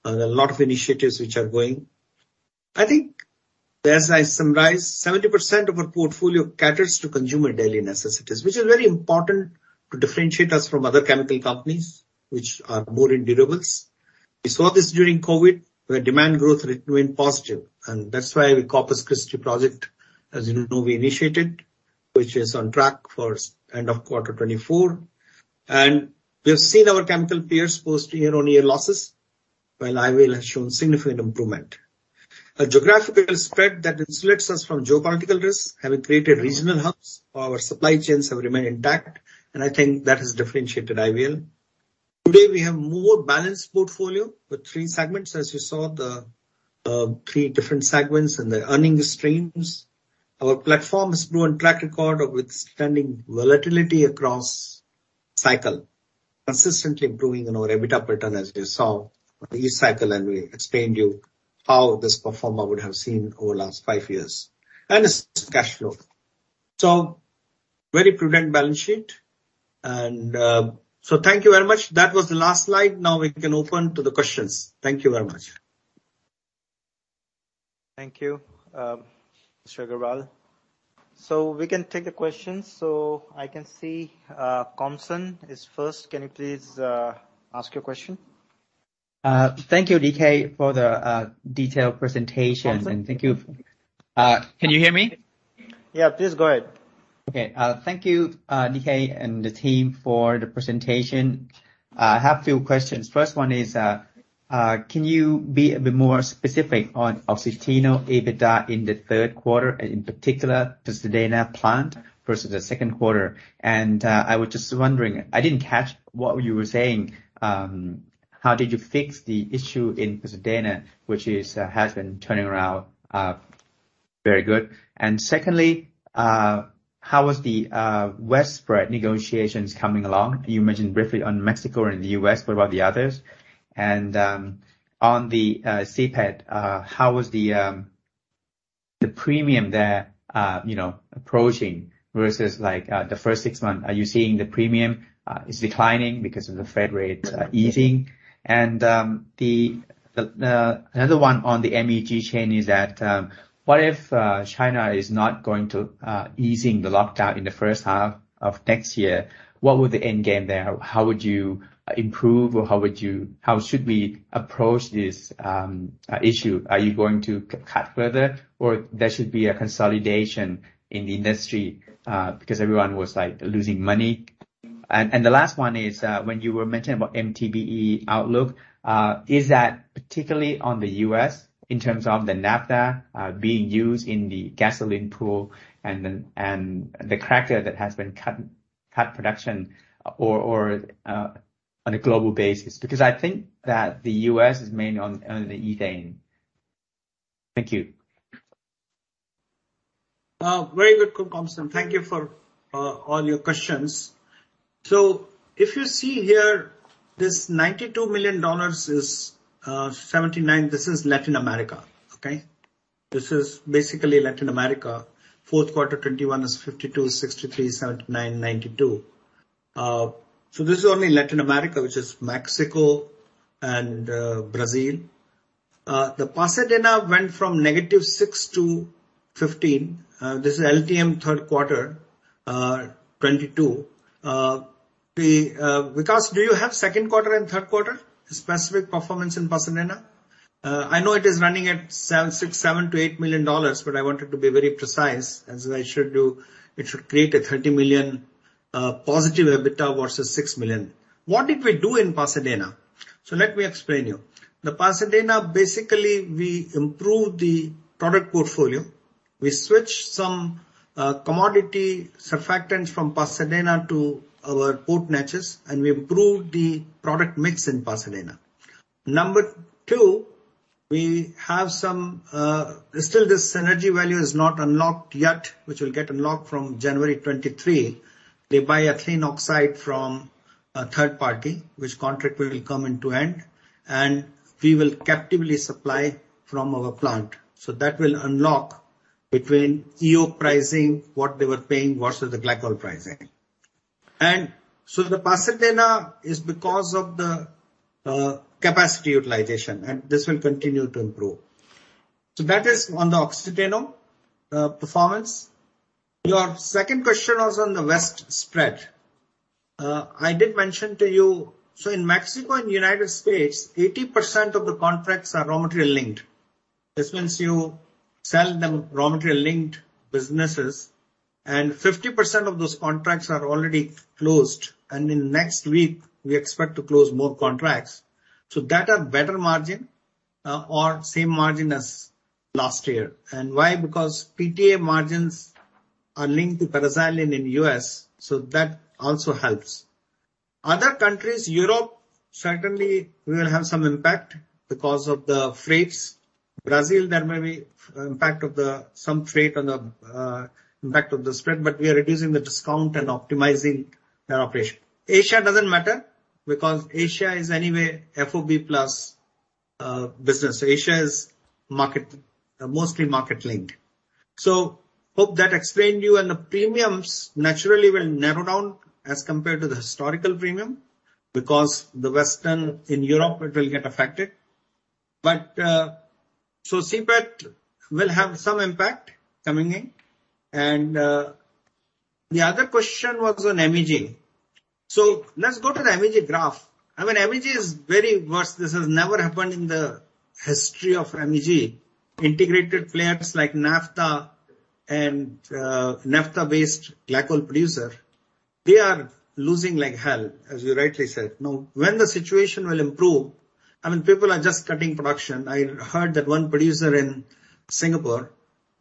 A lot of initiatives which are going. I think as I summarize, 70% of our portfolio caters to consumer daily necessities, which is very important to differentiate us from other chemical companies which are more in durables. We saw this during COVID, where demand growth remained positive, and that's why the Corpus Christi project, as you know, we initiated, which is on track for end of quarter 2024. We have seen our chemical peers post year-on-year losses, while IVL has shown significant improvement. A geographical spread that insulates us from geopolitical risks, having created regional hubs, our supply chains have remained intact, and I think that has differentiated IVL. Today, we have more balanced portfolio with three segments. As you saw the three different segments and the earnings streams. Our platform's proven track record of withstanding volatility across cycles, consistently improving on our EBITDA pattern as you saw each cycle, and we explained to you how this performed over the last five years. Its cash flow. Very prudent balance sheet. Thank you very much. That was the last slide. Now we can open to the questions. Thank you very much. Thank you, Mr. Agarwal. We can take the questions. I can see, Kaushal Ladha is first. Can you please ask your question? Thank you, D.K., for the detailed presentation. Komsun. Thank you. Can you hear me? Yeah, please go ahead. Okay. Thank you, D.K. And the team for the presentation. I have a few questions. First one is, can you be a bit more specific on Oxiteno EBITDA in Q3, in particular, Pasadena plant versus Q2? i was just wondering, I didn't catch what you were saying, how did you fix the issue in Pasadena, which has been turning around very good. Second, how was the West spread negotiations coming along? You mentioned briefly on Mexico and the U.S. What about the others? On the CPET, how was the premium there, you know, approaching versus, like, the first six months. Are you seeing the premium is declining because of the Fed rates easing? Another one on the MEG chain is that what if China is not going to easing the lockdown in the first half of next year? What would the end game there? How would you improve, or how should we approach this issue? Are you going to cut further, or there should be a consolidation in the industry because everyone was, like, losing money? The last one is when you were mentioning about MTBE outlook, is that particularly on the U.S. in terms of the Naphtha being used in the gasoline pool and the cracker that has been cut production or on a global basis? Because I think that the U.S. is mainly on the ethane. Thank you. Very good, Kaushal Ladha. Thank you for all your questions. If you see here, this $92 million is 79. This is Latin America, okay? This is basically Latin Q4 2021 is $52 million, $63 million, $79 million, $92 million. This is only Latin America, which is Mexico and Brazil. The Pasadena went from -$6 to $15. This is Q3 2022. Vikash Jalan, do you Q3 specific performance in Pasadena? I know it is running at $7.67-$8 million, but I wanted to be very precise as I should do. It should create a $30 million positive EBITDA versus $6 million. What did we do in Pasadena? Let me explain to you. The Pasadena, basically, we improved the product portfolio. We switched some commodity surfactants from Pasadena to our Port Neches, and we improved the product mix in Pasadena. Number two, we have some still the synergy value is not unlocked yet, which will get unlocked from January 2023. They buy ethylene oxide from a third party, which contract will come to an end, and we will captively supply from our plant. That will unlock between EO pricing, what they were paying versus the glycol pricing. The Pasadena is because of the capacity utilization, and this will continue to improve. That is on the Oxiteno performance. Your second question was on the West spread. I did mention to you. In Mexico and United States, 80% of the contracts are raw material linked. This means you sell them raw material linked businesses, and 50% of those contracts are already closed. In next week we expect to close more contracts. Those are better margin or same margin as last year. Why? Because PTA margins are linked to paraxylene in U.S., so that also helps. Other countries, Europe, certainly we will have some impact because of the freights. Brazil, there may be impact of the some freight on the impact of the spread, but we are reducing the discount and optimizing their operation. Asia doesn't matter because Asia is anyway FOB plus business. Asia is market mostly market linked. Hope that explained you. The premiums naturally will narrow down as compared to the historical premium because the Western in Europe it will get affected. CPET will have some impact coming in. The other question was on MEG. Let's go to the MEG graph. I mean, MEG is very worse. This has never happened in the history of MEG. Integrated players like Naphtha and Naphtha-based glycol producer, they are losing like hell, as you rightly said. Now, when the situation will improve, I mean, people are just cutting production. I heard that one producer in Singapore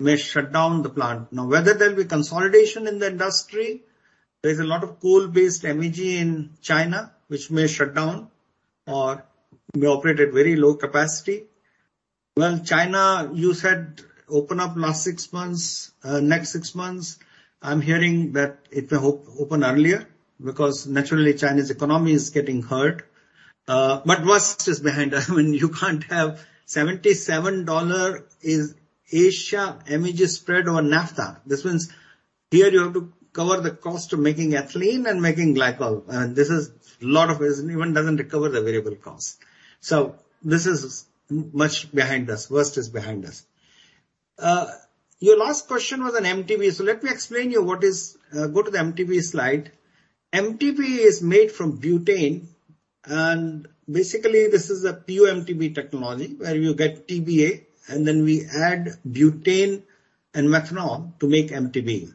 may shut down the plant. Now, whether there will be consolidation in the industry, there is a lot of coal-based MEG in China which may shut down or may operate at very low capacity. Well, China, you said open up last six months, next six months. I'm hearing that it may open earlier because naturally China's economy is getting hurt. But what's just behind us, I mean, you can't have $77 Asia MEG spread over Naphtha. This means here you have to cover the cost of making ethylene and making glycol. This is lot of it is even doesn't recover the variable cost. This is much behind us. Worst is behind us. Your last question was on MTBE. Let me explain you what is. Go to the MTBE slide. MTBE is made from butane, and basically this is a PO/MTBE technology where you get TBA and then we add butane and methanol to make MTBE.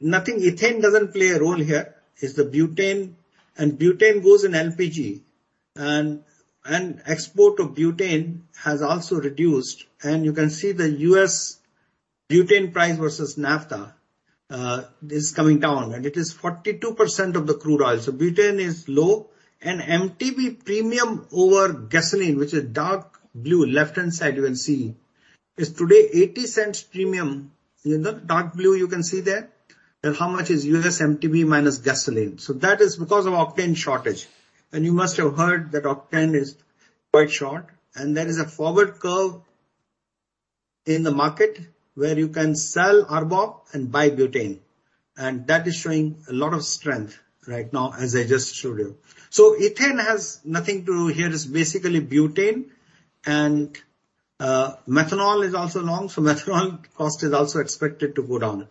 Nothing. Ethane doesn't play a role here. It's the butane, and butane goes in LPG, and export of butane has also reduced. You can see the U.S. butane price versus naphtha is coming down, and it is 42% of the crude oil. Butane is low. MTBE premium over gasoline, which is dark blue, left-hand side you will see, is today $0.80 premium. In the dark blue you can see there. How much is US MTBE minus gasoline? That is because of octane shortage. You must have heard that octane is quite short, and there is a forward curve in the market where you can sell RBOB and buy butane. That is showing a lot of strength right now, as I just showed you. Ethane has nothing to do here. It's basically butane and methanol is also long, so methanol cost is also expected to go down.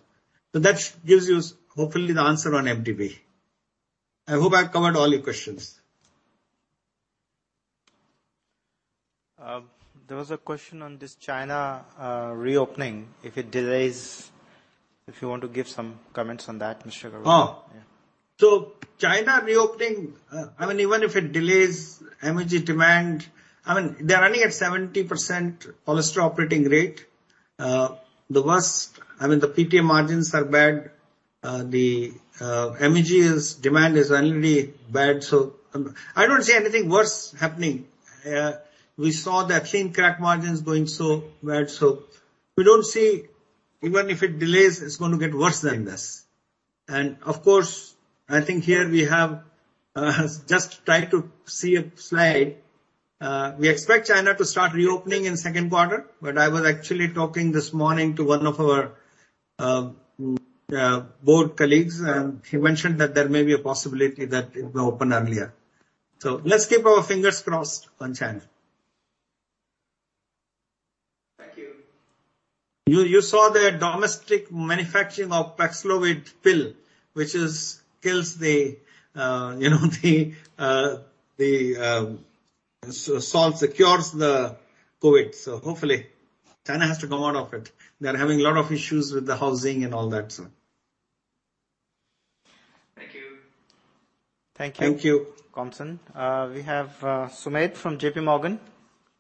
That gives you hopefully the answer on MTBE. I hope I've covered all your questions. There was a question on this China reopening, if it delays. If you want to give some comments on that, Mr. Agarwal. Oh. Yeah. China reopening, I mean, even if it delays MEG demand, I mean, they're running at 70% polyester operating rate. I mean, the PTA margins are bad. MEG demand is already bad, so I don't see anything worse happening. We saw the ethylene crack margins going so bad, so we don't see, even if it delays, it's gonna get worse than this. Of course, I think here we have just try to see a slide. We expect China to start reopening Q2. i was actually talking this morning to one of our board colleagues, and he mentioned that there may be a possibility that it will open earlier. Let's keep our fingers crossed on China. Thank you. You saw their domestic manufacturing of Paxlovid pill, which kills the, you know, the COVID. Hopefully China has to come out of it. They're having a lot of issues with the housing and all that, so... Thank you. Thank you. Thank you. Kaushal. We have Sumedh Samant from J.P. Morgan.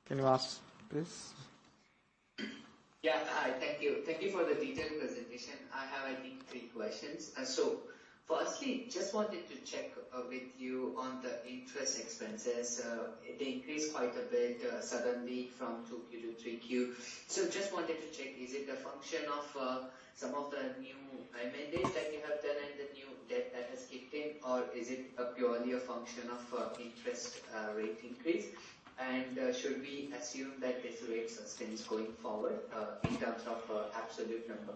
Can you ask, please? Yeah. Hi. Thank you. Thank you for the detailed presentation. I have, I think, three questions. Firstly, just wanted to check with you on the interest expenses. They increased quite a bit suddenly from 2Q to 3Q. Just wanted to check, is it a function of some of the new amendments that you have done and the new debt that has kicked in, or is it purely a function of interest rate increase? And should we assume that this rate sustains going forward in terms of absolute number?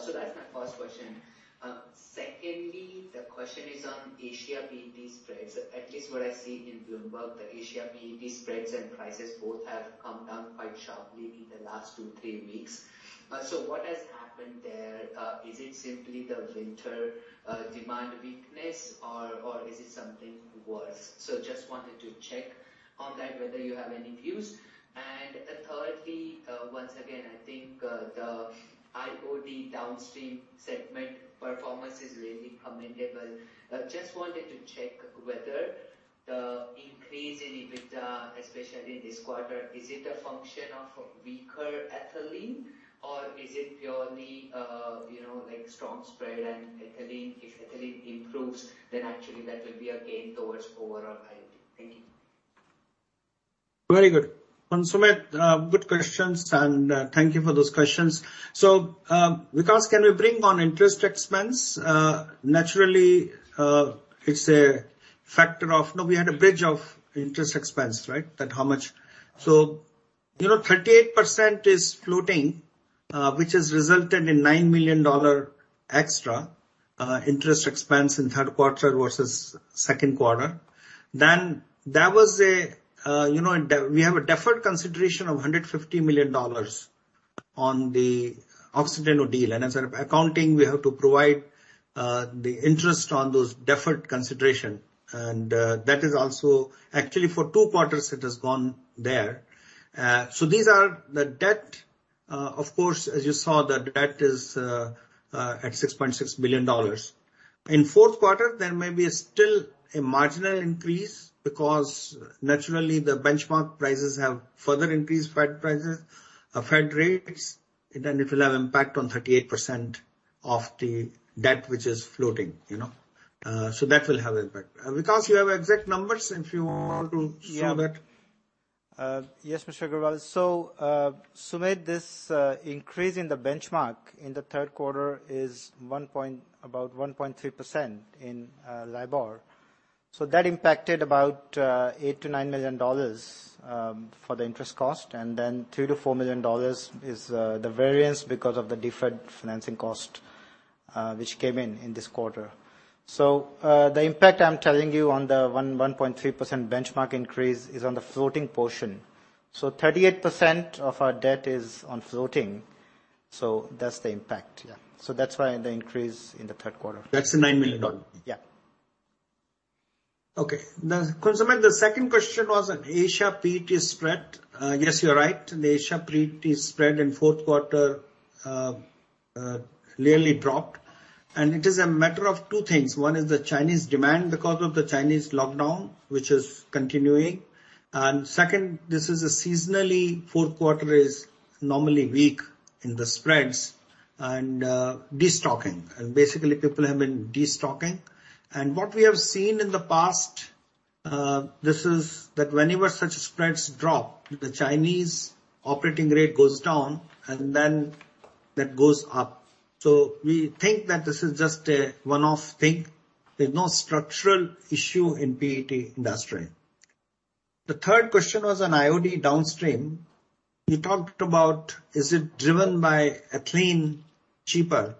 So that's my first question. Secondly, the question is on Asia PET spreads. At least what I see in Bloomberg, the Asia PET spreads and prices both have come down quite sharply in the last 2-3 weeks. What has happened there? Is it simply the winter demand weakness or is it something worse? Just wanted to check on that, whether you have any views. Thirdly, once again, I think the IOD downstream segment performance is really commendable. Just wanted to check whether the increase in EBITDA, especially this quarter, is it a function of weaker ethylene or is it purely, you know, like strong spread and ethylene? If ethylene improves, then actually that will be a gain towards overall IOD. Thank you. Very good. Sumedh, good questions, and thank you for those questions. Vikash, can we bring on interest expense? Naturally, it's a factor of. No, we had a bridge of interest expense, right? That's how much. You know, 38% is floating, which has resulted in $9 million extra interest expense Q3 q2. then there was a, you know, we have a deferred consideration of $150 million on the Oxiteno deal, and as per our accounting, we have to provide the interest on those deferred consideration. That is also actually for two quarters it has gone there. These are the debt. Of course, as you saw, the debt is at $6.6 billion. Q4, there may be still a marginal increase because naturally the benchmark prices have further increased. Fed rates, and then it will have impact on 38% of the debt which is floating, you know. That will have impact. Vikash, you have exact numbers if you want to share that. Yes, Mr. Agarwal. Sumedh, this increase in the benchmark in Q3 is about 1.3% in LIBOR. That impacted about $8 million-$9 million for the interest cost. Then $2 million-$4 million is the variance because of the different financing cost which came in in this quarter. The impact I'm telling you on the 1.3% benchmark increase is on the floating portion. 38% of our debt is on floating, so that's the impact. Yeah. That's why the increase in the Q3. That's the $9 million. Yeah. Okay. Now, Sumedh, the second question was on Asia PET spread. Yes, you're right. The Asia PET spread Q4 really dropped. It is a matter of two things. One is the Chinese demand because of the Chinese lockdown, which is continuing. Second, this is a Q4 is normally weak in the spreads and, destocking. Basically, people have been destocking. What we have seen in the past, this is that whenever such spreads drop, the Chinese operating rate goes down, and then that goes up. We think that this is just a one-off thing. There's no structural issue in PET industry. The third question was on IOD downstream. You talked about is it driven by ethylene cheaper.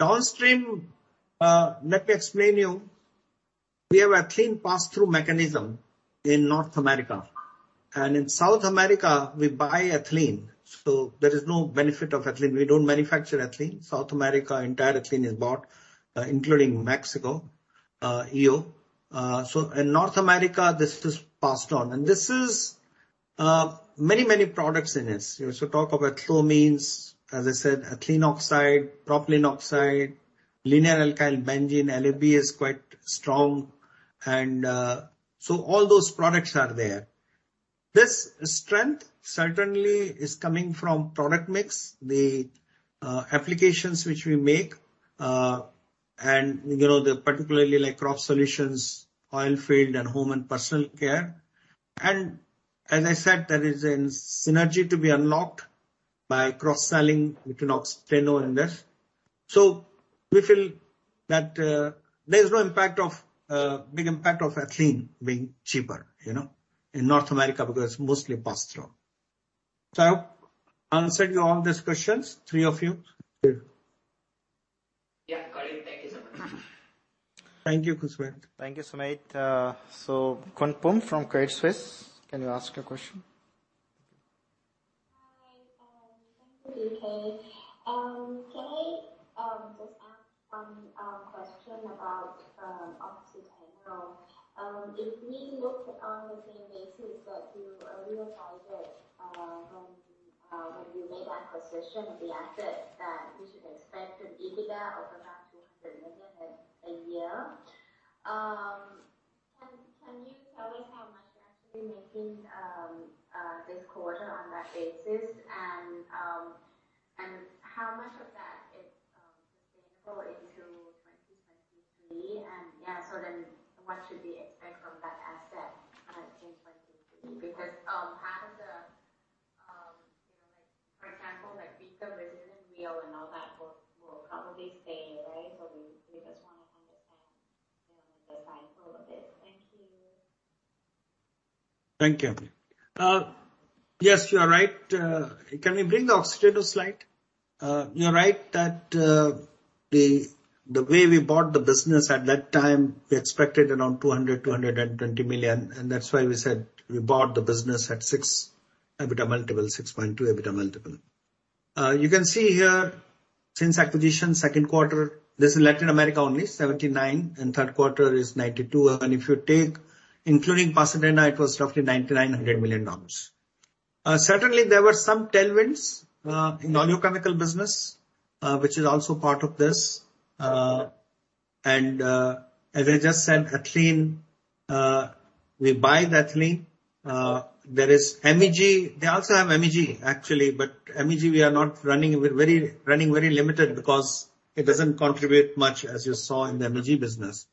Downstream, let me explain you. We have ethylene pass-through mechanism in North America, and in South America, we buy ethylene, so there is no benefit of ethylene. We don't manufacture ethylene. South America, entire ethylene is bought, including Mexico, EO. So in North America, this is passed on, and this is many, many products in this. You also talk of ethanolamines, as I said, ethylene oxide, propylene oxide, linear alkyl benzene, LAB is quite strong and so all those products are there. This strength certainly is coming from product mix. The applications which we make, and you know, the particularly like crop solutions, oil field and home and personal care. As I said, there is a synergy to be unlocked by cross-selling ethylene oxide in this. We feel that, there's no big impact of ethylene being cheaper, you know, in North America because it's mostly pass-through. I hope answered all these questions, three of you. Yeah. Got it. Thank you so much. Thank you, Kaushal Ladha. Thank you, Sumedh. Kumpung from Credit Suisse, can you ask your question? Hi, thank you, D.K.. Can I just ask one question about Oxiteno? If we look at on the same basis that you earlier guided, when you made acquisition of the asset, that we should expect an EBITDA of about $200 million a year. Can you tell us how much you're actually making this quarter on that basis and how much of that is sustainable into 2023? Yeah, what should we expect from that asset, kind of in 2023? Because half of the, you know like for example like Vika resident wheel and all that will probably stay, right? We just wanna understand, you know, the cycle of it. Thank you. Thank you. Yes, you are right. Can we bring the Oxiteno slide? You're right that the way we bought the business at that time, we expected around $220 million, and that's why we said we bought the business at 6x EBITDA multiple, 6.2x EBITDA multiple. You can see here since Q2, this is Latin America only, $79 million, Q3 is $92 million. If you take including Pasadena, it was roughly $99-$100 million. Certainly there were some tailwinds in oleochemical business, which is also part of this. As I just said, ethylene, we buy the ethylene. There is MEG. They also have MEG, actually, but MEG we are not running with very... Running very limited because it doesn't contribute much, as you saw in the MEG business.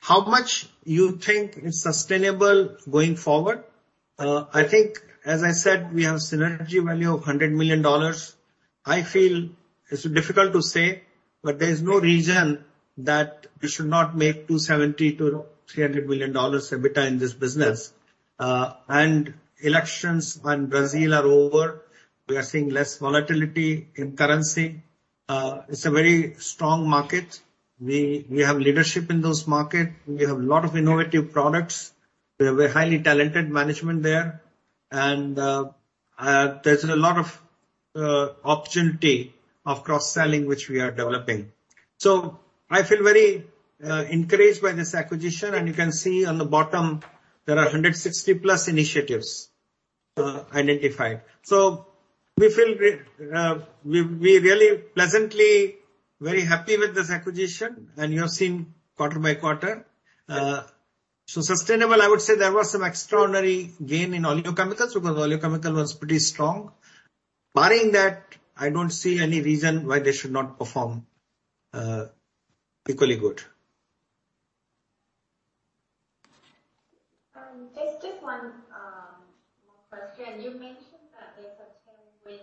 How much you think is sustainable going forward? I think, as I said, we have synergy value of $100 million. I feel it's difficult to say, but there is no reason that we should not make $270 million-$300 million EBITDA in this business. Elections in Brazil are over. We are seeing less volatility in currency. It's a very strong market. We have leadership in those market. We have a lot of innovative products. We have a highly talented management there. There's a lot of opportunity of cross-selling, which we are developing. I feel very encouraged by this acquisition. You can see on the bottom, there are 160+ initiatives identified. We feel really pleasantly very happy with this acquisition, and you have seen quarter by quarter. Sustainable, I would say there was some extraordinary gain in oleochemicals because oleochemicals was pretty strong. Barring that, I don't see any reason why they should not perform equally good. Just one more question. You mentioned that there's a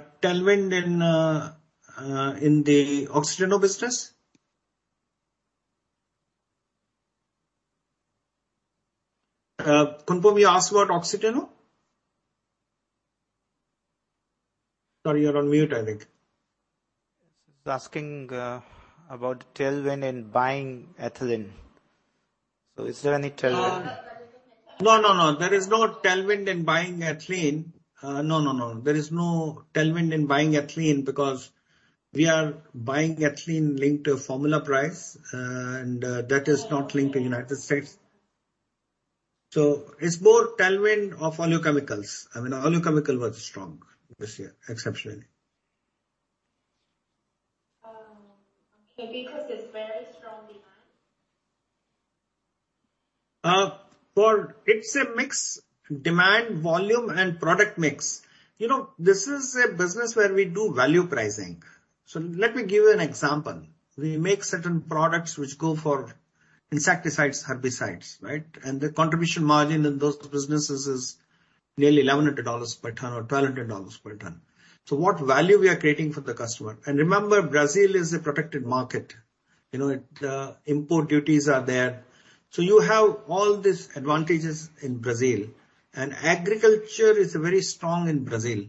tailwind, Tailwind in the Oxiteno business? Kumpung, you asked about Oxiteno? Sorry, you're on mute, I think. She's asking about tailwind in buying ethylene. Is there any tailwind? Oh. No. There is no tailwind in buying ethylene. No. There is no tailwind in buying ethylene because we are buying ethylene linked to formula price, and that is not linked to United States. It's more tailwind of oleochemicals. I mean, oleochemical was strong this year, exceptionally. Oh, okay. Because it's very strong demand. It's a mix. Demand, volume, and product mix. You know, this is a business where we do value pricing. Let me give you an example. We make certain products which go for insecticides, herbicides, right? The contribution margin in those businesses is nearly $1,100 per ton or $1,200 per ton. What value we are creating for the customer? Remember, Brazil is a protected market. You know, import duties are there. You have all these advantages in Brazil. Agriculture is very strong in Brazil.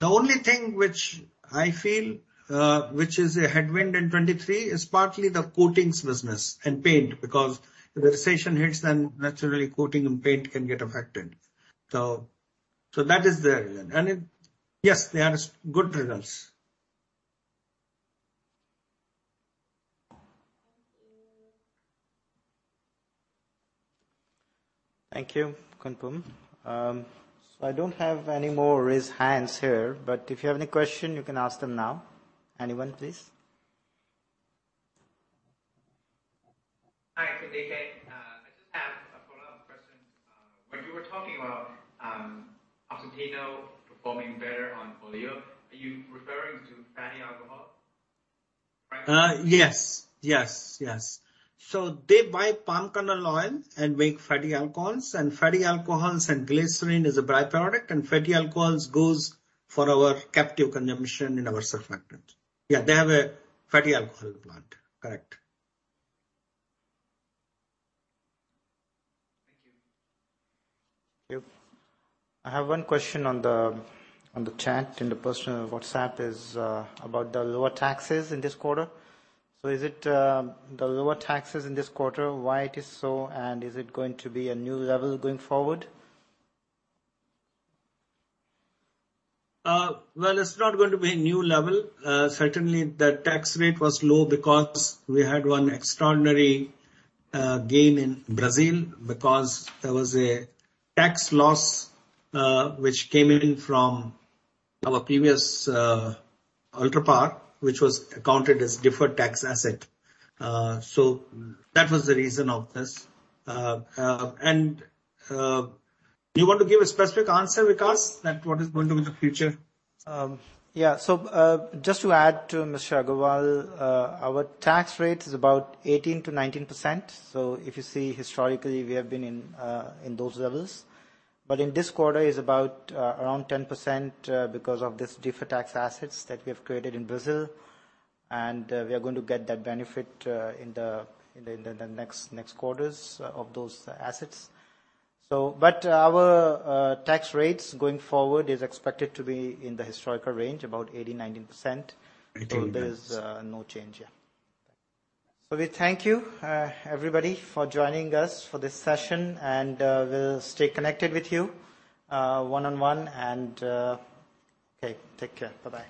The only thing which I feel, which is a headwind in 2023 is partly the coatings business and paint, because if the recession hits, then naturally coating and paint can get affected. That is the reason. Yes, they are such good results. Thank you. Thank you, Kumpung. I don't have any more raised hands here, but if you have any question, you can ask them now. Anyone, please? Hi, it's Duladeth Bik. I just have a follow-up question. When you were talking about Argentina performing better on oleo, are you referring to fatty alcohol? Yes. They buy palm kernel oil and make fatty alcohols, and fatty alcohols and glycerin is a by-product, and fatty alcohols goes for our captive consumption in our surfactant. Yeah, they have a fatty alcohol plant. Correct. Thank you. I have one question on the chat in the personal WhatsApp is about the lower taxes in this quarter. Is it the lower taxes in this quarter, why it is so, and is it going to be a new level going forward? Well, it's not going to be a new level. Certainly the tax rate was low because we had one extraordinary gain in Brazil because there was a tax loss which came in from our previous Ultrapar, which was accounted as deferred tax asset. That was the reason of this. Do you want to give a specific answer, Vikash, that what is going to be the future? Yeah. Just to add to Mr. Agarwal, our tax rate is about 18%-19%. If you see historically, we have been in those levels. In this quarter is about around 10%, because of this deferred tax assets that we have created in Brazil. We are going to get that benefit in the next quarters of those assets. Our tax rates going forward is expected to be in the historical range, about 18%-19%. 18. There is no change. Yeah. We thank you, everybody, for joining us for this session. We'll stay connected with you one-on-one. Okay. Take care. Bye-bye.